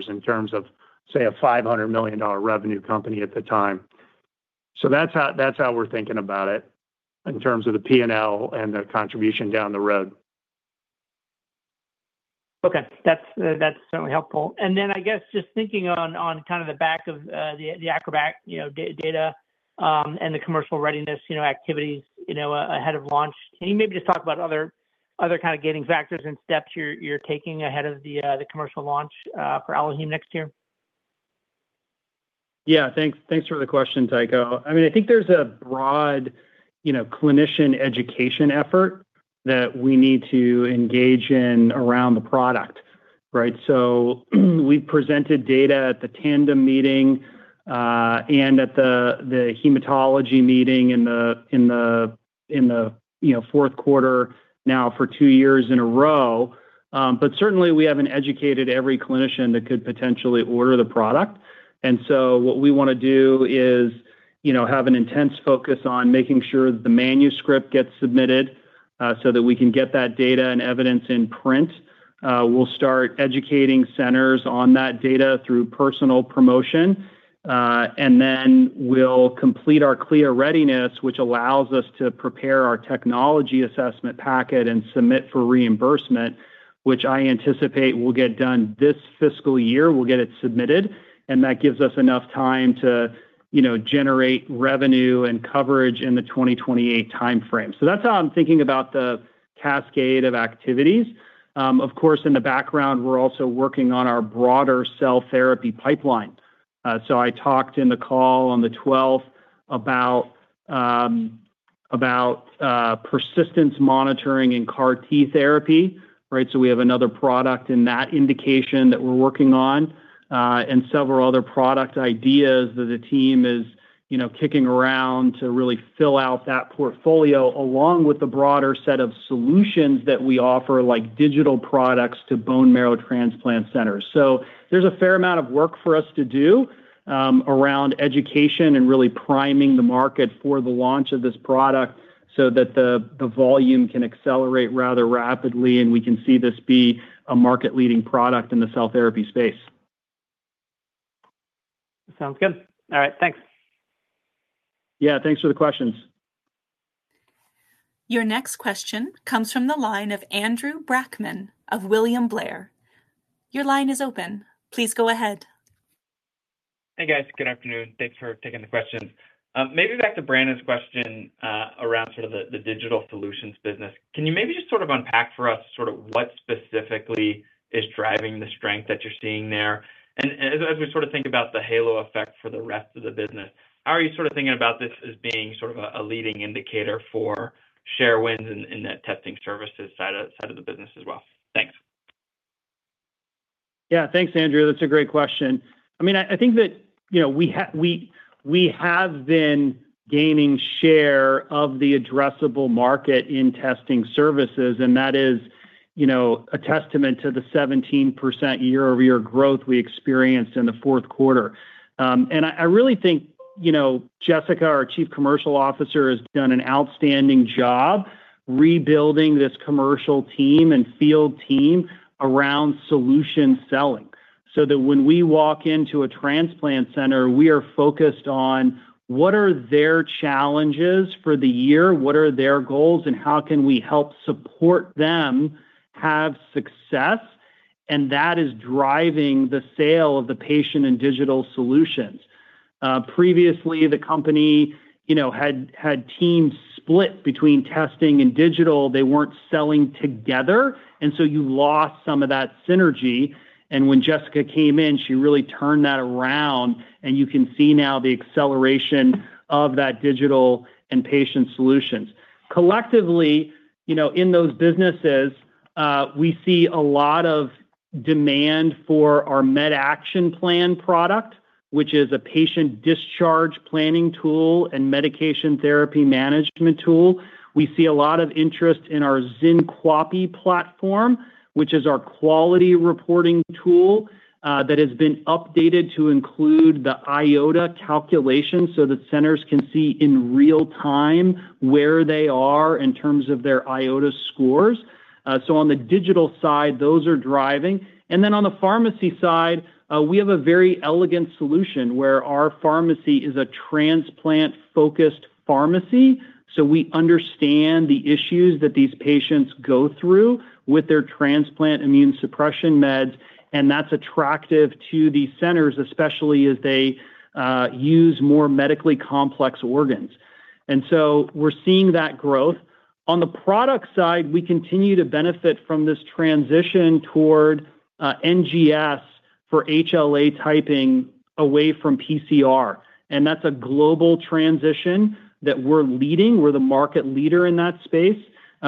in terms of, say, a $500 million revenue company at the time. That's how, that's how we're thinking about it in terms of the P&L and the contribution down the road. Okay. That's, that's certainly helpful. Then I guess just thinking on kind of the back of the ACROBAT, you know, data, and the commercial readiness, you know, activities, you know, ahead of launch, can you maybe just talk about other kind of gating factors and steps you're taking ahead of the commercial launch for AlloHome next year? Yeah, thanks for the question, Tycho. I mean, I think there's a broad, you know, clinician education effort that we need to engage in around the product, right? We've presented data at the Tandem Meetings, and at the hematology meeting in the, you know, fourth quarter now for two years in a row. Certainly we haven't educated every clinician that could potentially order the product. What we wanna do is, you know, have an intense focus on making sure that the manuscript gets submitted, so that we can get that data and evidence in print. We'll start educating centers on that data through personal promotion, and then we'll complete our clear readiness, which allows us to prepare our technology assessment packet and submit for reimbursement, which I anticipate will get done this fiscal year. We'll get it submitted, and that gives us enough time to, you know, generate revenue and coverage in the 2028 time frame. That's how I'm thinking about the cascade of activities. Of course, in the background, we're also working on our broader cell therapy pipeline. I talked in the call on the 12th about persistence monitoring and CAR T therapy, right? We have another product in that indication that we're working on, and several other product ideas that the team is, you know, kicking around to really fill out that portfolio, along with the broader set of solutions that we offer, like digital products to bone marrow transplant centers. There's a fair amount of work for us to do around education and really priming the market for the launch of this product so that the volume can accelerate rather rapidly, and we can see this be a market-leading product in the cell therapy space. Sounds good. All right, thanks. Yeah, thanks for the questions. Your next question comes from the line of Andrew Brackmann of William Blair. Your line is open. Please go ahead. Hey, guys. Good afternoon. Thanks for taking the questions. Maybe back to Brandon's question, around sort of the digital solutions business. Can you maybe just sort of unpack for us sort of what specifically is driving the strength that you're seeing there? As we sort of think about the halo effect for the rest of the business, how are you sort of thinking about this as being sort of a leading indicator for share wins in that testing services side of the business as well? Thanks. Yeah. Thanks, Andrew. That's a great question. I mean, I think that, you know, we have been gaining share of the addressable market in testing services, and that is, you know, a testament to the 17% year-over-year growth we experienced in the fourth quarter. I really think, you know, Jessica, our Chief Commercial Officer, has done an outstanding job rebuilding this commercial team and field team around solution selling, so that when we walk into a transplant center, we are focused on what are their challenges for the year, what are their goals, and how can we help support them have success, and that is driving the sale of the patient and digital solutions. Previously, the company, you know, had teams split between testing and digital. They weren't selling together. You lost some of that synergy. When Jessica came in, she really turned that around. You can see now the acceleration of that digital and patient solutions. Collectively, you know, in those businesses, we see a lot of demand for our MedActionPlan product, which is a patient discharge planning tool and medication therapy management tool. We see a lot of interest in our XynQAPI platform, which is our quality reporting tool, that has been updated to include the IOTA calculation, so that centers can see in real time where they are in terms of their IOTA scores. On the digital side, those are driving. On the pharmacy side, we have a very elegant solution where our pharmacy is a transplant-focused pharmacy, so we understand the issues that these patients go through with their transplant immune suppression meds, and that's attractive to these centers, especially as they use more medically complex organs. We're seeing that growth. On the product side, we continue to benefit from this transition toward NGS for HLA typing away from PCR, and that's a global transition that we're leading. We're the market leader in that space.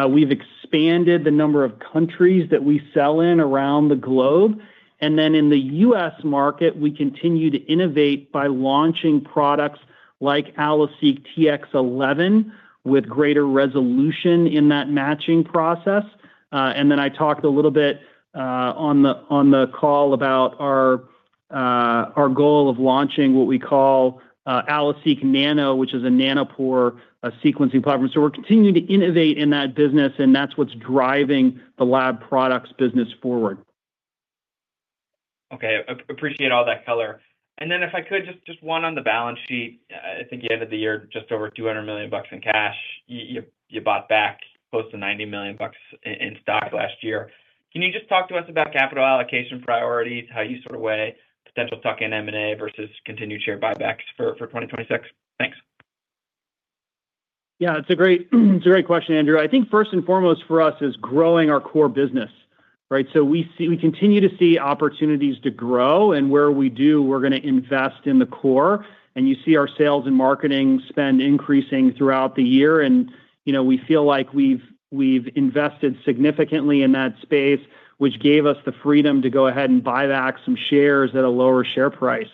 We've expanded the number of countries that we sell in around the globe, and then in the U.S. market, we continue to innovate by launching products like AlloSeq Tx11 with greater resolution in that matching process. I talked a little bit on the call about our goal of launching what we call AlloSeq Nano, which is a nanopore sequencing platform. We're continuing to innovate in that business, and that's what's driving the lab products business forward. Okay. Appreciate all that color. If I could, just one on the balance sheet. I think you ended the year just over $200 million in cash. You bought back close to $90 million in stock last year. Can you just talk to us about capital allocation priorities, how you sort of weigh potential tuck-in M&A versus continued share buybacks for 2026? Thanks. Yeah, it's a great question, Andrew. I think first and foremost for us is growing our core business, right? We continue to see opportunities to grow, and where we do, we're gonna invest in the core, and you see our sales and marketing spend increasing throughout the year. You know, we feel like we've invested significantly in that space, which gave us the freedom to go ahead and buy back some shares at a lower share price.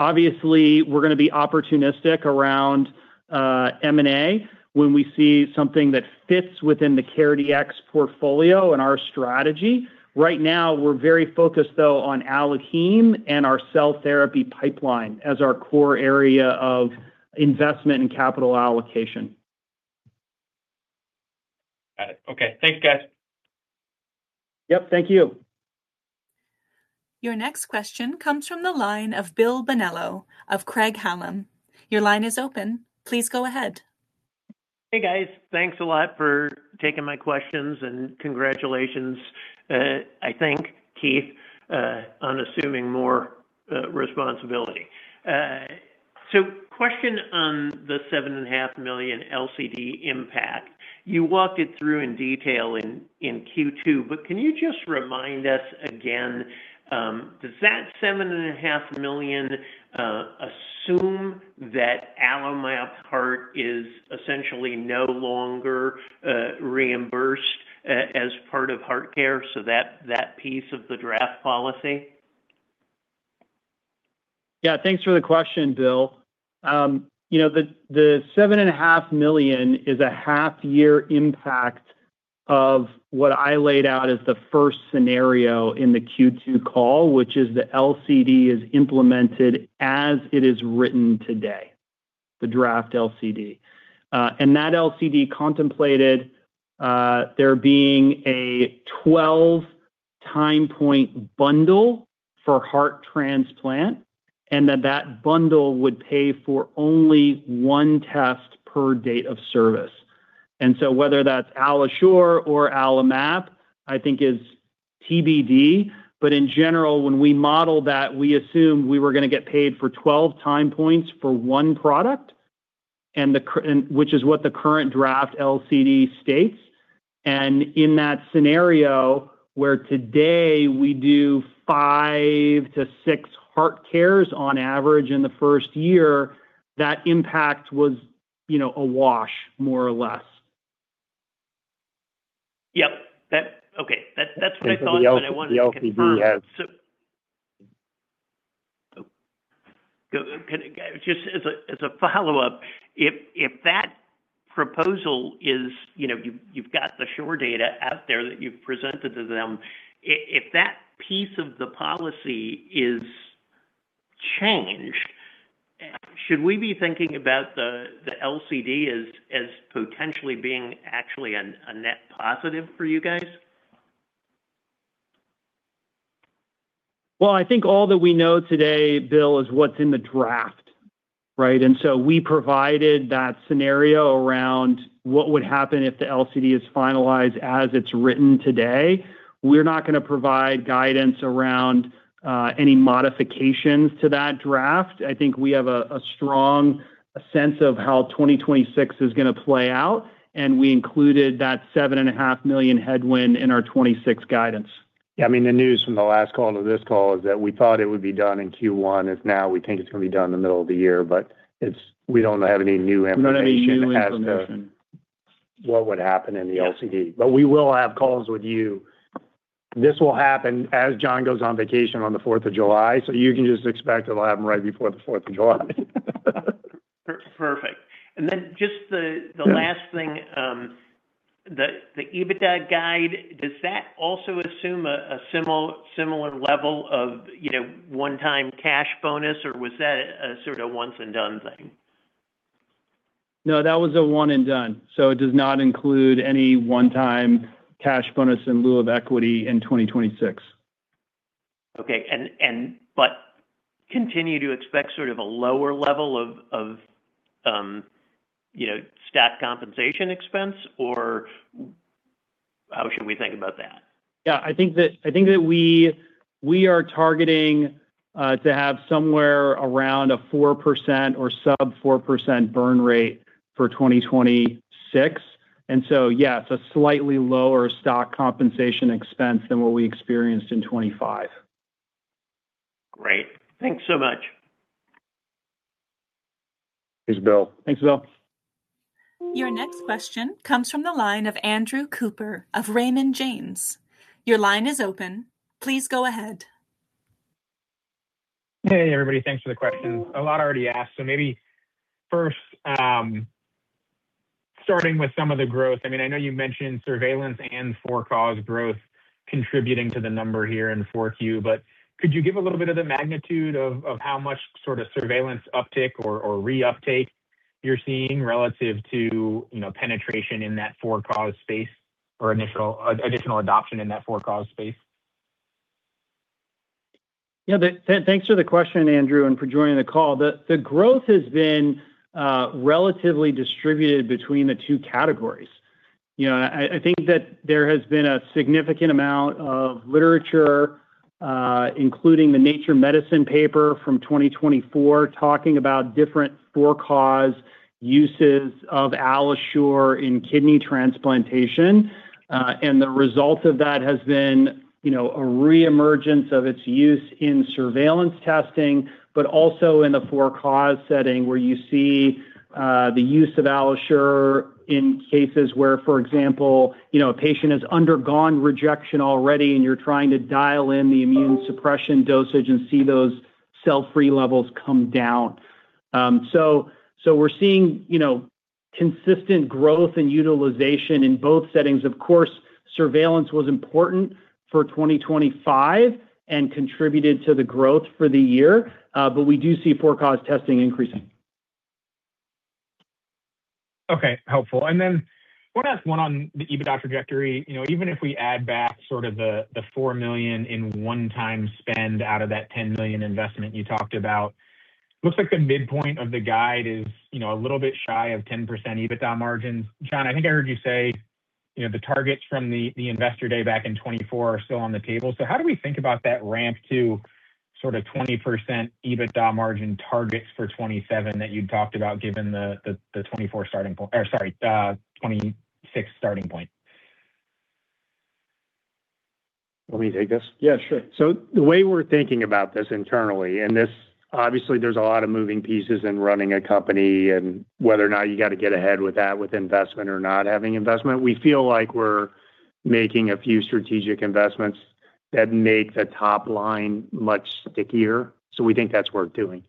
Obviously, we're gonna be opportunistic around M&A when we see something that fits within the CareDx portfolio and our strategy. Right now, we're very focused, though, on AlloHeme and our cell therapy pipeline as our core area of investment and capital allocation. Got it. Okay. Thanks, guys. Yep, thank you. Your next question comes from the line of Bill Bonello of Craig-Hallum. Your line is open. Please go ahead. Hey, guys. Thanks a lot for taking my questions, and congratulations, I think, Keith, on assuming more responsibility. Question on the 7.5 million LCD impact. You walked it through in detail in Q2, but can you just remind us again, does that 7.5 million assume that AlloMap Heart is essentially no longer reimbursed as part of HeartCare, so that piece of the draft policy? Yeah, thanks for the question, Bill. You know, the 7.5 million is a half year impact of what I laid out as the first scenario in the Q2 call, which is the LCD is implemented as it is written today, the draft LCD. That LCD contemplated there being a 12-time point bundle for heart transplant, and that bundle would pay for only one test per date of service. Whether that's AlloSure or AlloMap, I think is TBD. In general, when we model that, we assume we were gonna get paid for 12 time points for one product, which is what the current draft LCD states. In that scenario, where today we do five to six HeartCares on average in the first year, that impact was, you know, a wash, more or less. Yep. Okay, that's what I thought. The LCD. I wanted to confirm. Can, just as a, as a follow-up, if that proposal is, you know, you've got the SURE data out there that you've presented to them, if that piece of the policy is changed, should we be thinking about the LCD as potentially being actually a net positive for you guys? Well, I think all that we know today, Bill, is what's in the draft, right? We provided that scenario around what would happen if the LCD is finalized as it's written today. We're not gonna provide guidance around any modifications to that draft. I think we have a strong sense of how 2026 is gonna play out. We included that 7.5 million headwind in our 2026 guidance. Yeah, I mean, the news from the last call to this call is that we thought it would be done in Q1, is now we think it's gonna be done in the middle of the year, but we don't have any new information. We don't have any new information. As to what would happen in the LCD. Yeah. We will have calls with you. This will happen as John goes on vacation on the 4th of July, you can just expect it'll happen right before the 4th of July. Perfect. Then just the. Yeah The last thing, the EBITDA guide, does that also assume a similar level of, you know, one-time cash bonus, or was that a sort of once-and-done thing? No, that was a one and done, so it does not include any one-time cash bonus in lieu of equity in 2026. Okay. Continue to expect sort of a lower level of, you know, stock compensation expense, or how should we think about that? Yeah, I think that we are targeting to have somewhere around a 4% or sub 4% burn rate for 2026. Yeah, it's a slightly lower stock compensation expense than what we experienced in 2025. Great. Thanks so much. Thanks, Bill. Thanks, Bill. Your next question comes from the line of Andrew Cooper of Raymond James. Your line is open. Please go ahead. Hey, everybody. Thanks for the questions. A lot already asked. Maybe first, starting with some of the growth, I mean, I know you mentioned surveillance and for-cause growth contributing to the number here in 4Q, but could you give a little bit of the magnitude of how much sort of surveillance uptick or re-uptake you're seeing relative to, you know, penetration in that for-cause space or additional adoption in that for-cause space? Yeah, thanks for the question, Andrew, and for joining the call. The growth has been relatively distributed between the two categories. You know, I think that there has been a significant amount of literature, including the Nature Medicine paper from 2024, talking about different for-cause uses of AlloSure in kidney transplantation. The result of that has been, you know, a reemergence of its use in surveillance testing, but also in the for-cause setting, where you see the use of AlloSure in cases where, for example, you know, a patient has undergone rejection already and you're trying to dial in the immune suppression dosage and see those cell-free levels come down. We're seeing, you know, consistent growth and utilization in both settings. Of course, surveillance was important for 2025 and contributed to the growth for the year, but we do see for-cause testing increasing. Okay, helpful. Want to ask one on the EBITDA trajectory. You know, even if we add back sort of the $4 million in one-time spend out of that $10 million investment you talked about, looks like the midpoint of the guide is, you know, a little bit shy of 10% EBITDA margins. John, I think I heard you say, you know, the targets from the Investor Day back in 2024 are still on the table. How do we think about that ramp to sort of 20% EBITDA margin targets for 2027 that you'd talked about, given the 2024 starting point or sorry, 2026 starting point? Let me take this? Yeah, sure. The way we're thinking about this internally, and obviously, there's a lot of moving pieces in running a company, and whether or not you got to get ahead with that, with investment or not having investment. We feel like we're making a few strategic investments that make the top line much stickier, so we think that's worth doing.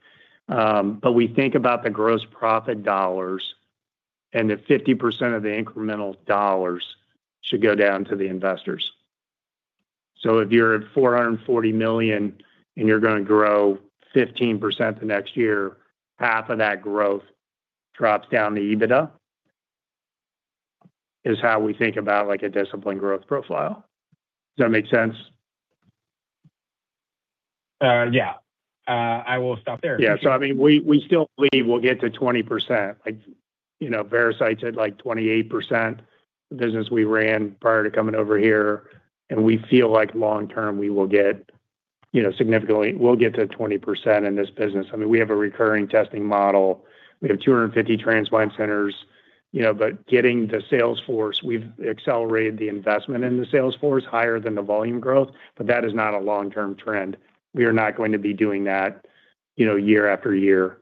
We think about the gross profit dollars, and that 50% of the incremental dollars should go down to the investors. If you're at $440 million and you're gonna grow 15% the next year, half of that growth drops down to EBITDA, is how we think about, like, a disciplined growth profile. Does that make sense? Yeah. I will stop there. I mean, we still believe we'll get to 20%. You know, Veracyte's at, like, 28%, the business we ran prior to coming over here. We feel like long term, we will get, you know, significantly, we'll get to 20% in this business. I mean, we have a recurring testing model. We have 250 transplant centers, you know. Getting the sales force, we've accelerated the investment in the sales force higher than the volume growth. That is not a long-term trend. We are not going to be doing that, you know, year after year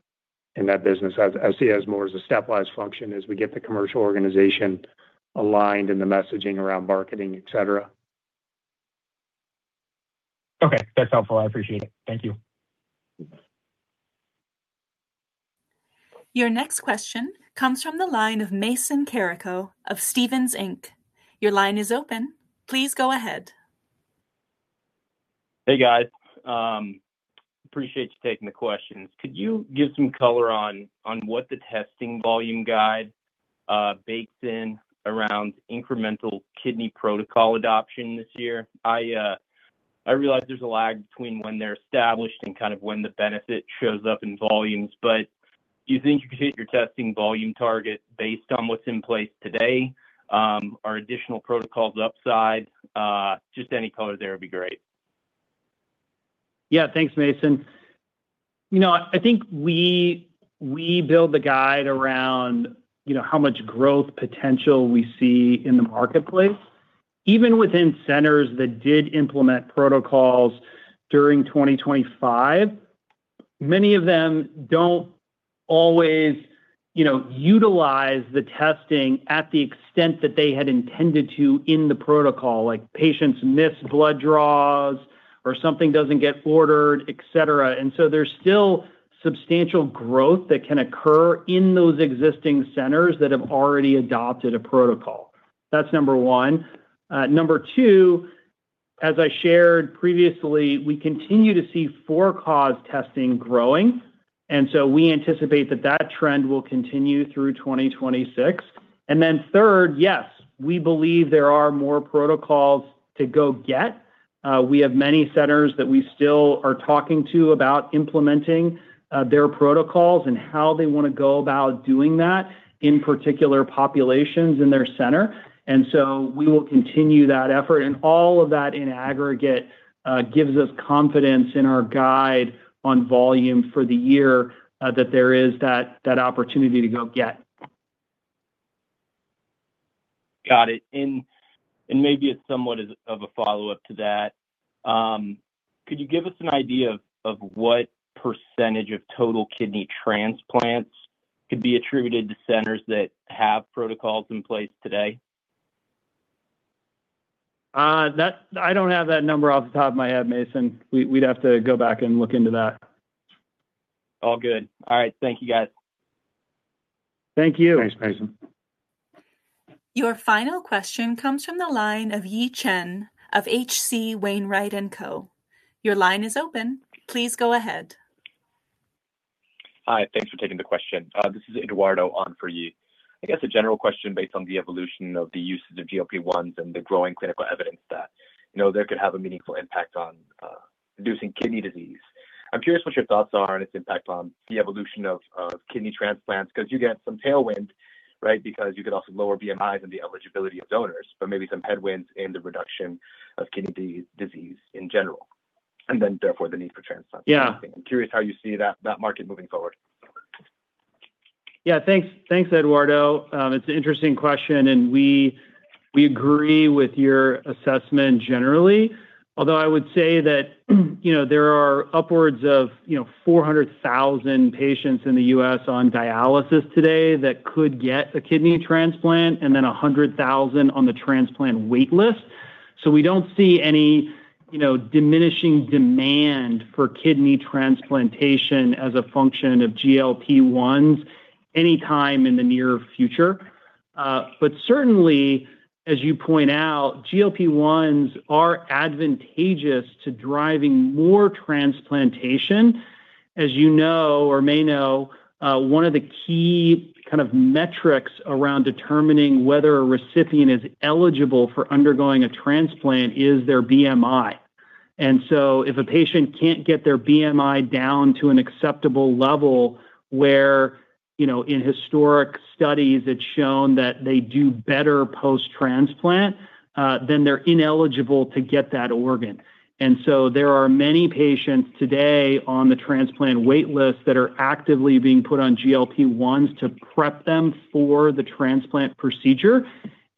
in that business. I see it as more as a stepwise function as we get the commercial organization aligned in the messaging around marketing, et cetera. Okay, that's helpful. I appreciate it. Thank you. Your next question comes from the line of Mason Carrico of Stephens Inc. Your line is open. Please go ahead. Hey, guys. Appreciate you taking the questions. Could you give some color on what the testing volume guide bakes in around incremental kidney protocol adoption this year? I realize there's a lag between when they're established and kind of when the benefit shows up in volumes. Do you think you can hit your testing volume target based on what's in place today? Are additional protocols upside? Just any color there would be great. Yeah. Thanks, Mason. You know, I think we build the guide around, you know, how much growth potential we see in the marketplace. Even within centers that did implement protocols during 2025, many of them don't always, you know, utilize the testing at the extent that they had intended to in the protocol, like patients miss blood draws or something doesn't get ordered, et cetera. There's still substantial growth that can occur in those existing centers that have already adopted a protocol. That's one. two, as I shared previously, we continue to see for-cause testing growing, we anticipate that that trend will continue through 2026. Third, yes, we believe there are more protocols to go get. We have many centers that we still are talking to about implementing their protocols and how they want to go about doing that, in particular populations in their center. We will continue that effort, and all of that in aggregate gives us confidence in our guide on volume for the year, that there is that opportunity to go get. Got it. Maybe it's somewhat of a follow-up to that. Could you give us an idea of what % of total kidney transplants could be attributed to centers that have protocols in place today? I don't have that number off the top of my head, Mason. We'd have to go back and look into that. All good. All right. Thank you, guys. Thank you. Thanks, Mason. Your final question comes from the line of Yi Chen of H.C. Wainwright & Co. Your line is open. Please go ahead. Hi, thanks for taking the question. This is Eduardo on for Yi. I guess a general question based on the evolution of the usage of GLP-1s and the growing clinical evidence that. You know, that could have a meaningful impact on reducing kidney disease. I'm curious what your thoughts are on its impact on the evolution of kidney transplants, 'cause you get some tailwind, right? Because you could also lower BMIs and the eligibility of donors, but maybe some headwinds in the reduction of kidney disease in general, and then therefore the need for transplants. Yeah. I'm curious how you see that market moving forward. Yeah, thanks. Thanks, Eduardo. It's an interesting question, and we agree with your assessment generally. Although I would say that, you know, there are upwards of, you know, 400,000 patients in the U.S. on dialysis today that could get a kidney transplant and then 100,000 on the transplant wait list. We don't see any, you know, diminishing demand for kidney transplantation as a function of GLP-1s anytime in the near future. Certainly, as you point out, GLP-1s are advantageous to driving more transplantation. As you know or may know, one of the key kind of metrics around determining whether a recipient is eligible for undergoing a transplant is their BMI. If a patient can't get their BMI down to an acceptable level, where, you know, in historic studies, it's shown that they do better post-transplant, then they're ineligible to get that organ. There are many patients today on the transplant wait list that are actively being put on GLP-1s to prep them for the transplant procedure.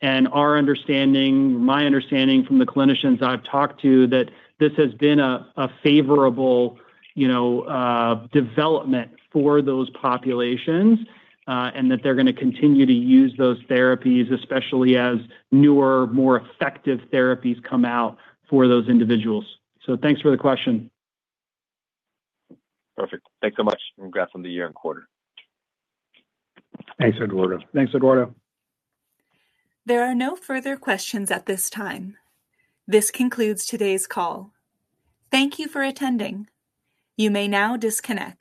Our understanding, my understanding from the clinicians I've talked to, that this has been a favorable, you know, development for those populations, and that they're gonna continue to use those therapies, especially as newer, more effective therapies come out for those individuals. Thanks for the question. Perfect. Thanks so much. Congrats on the year and quarter. Thanks, Eduardo. Thanks, Eduardo. There are no further questions at this time. This concludes today's call. Thank you for attending. You may now disconnect.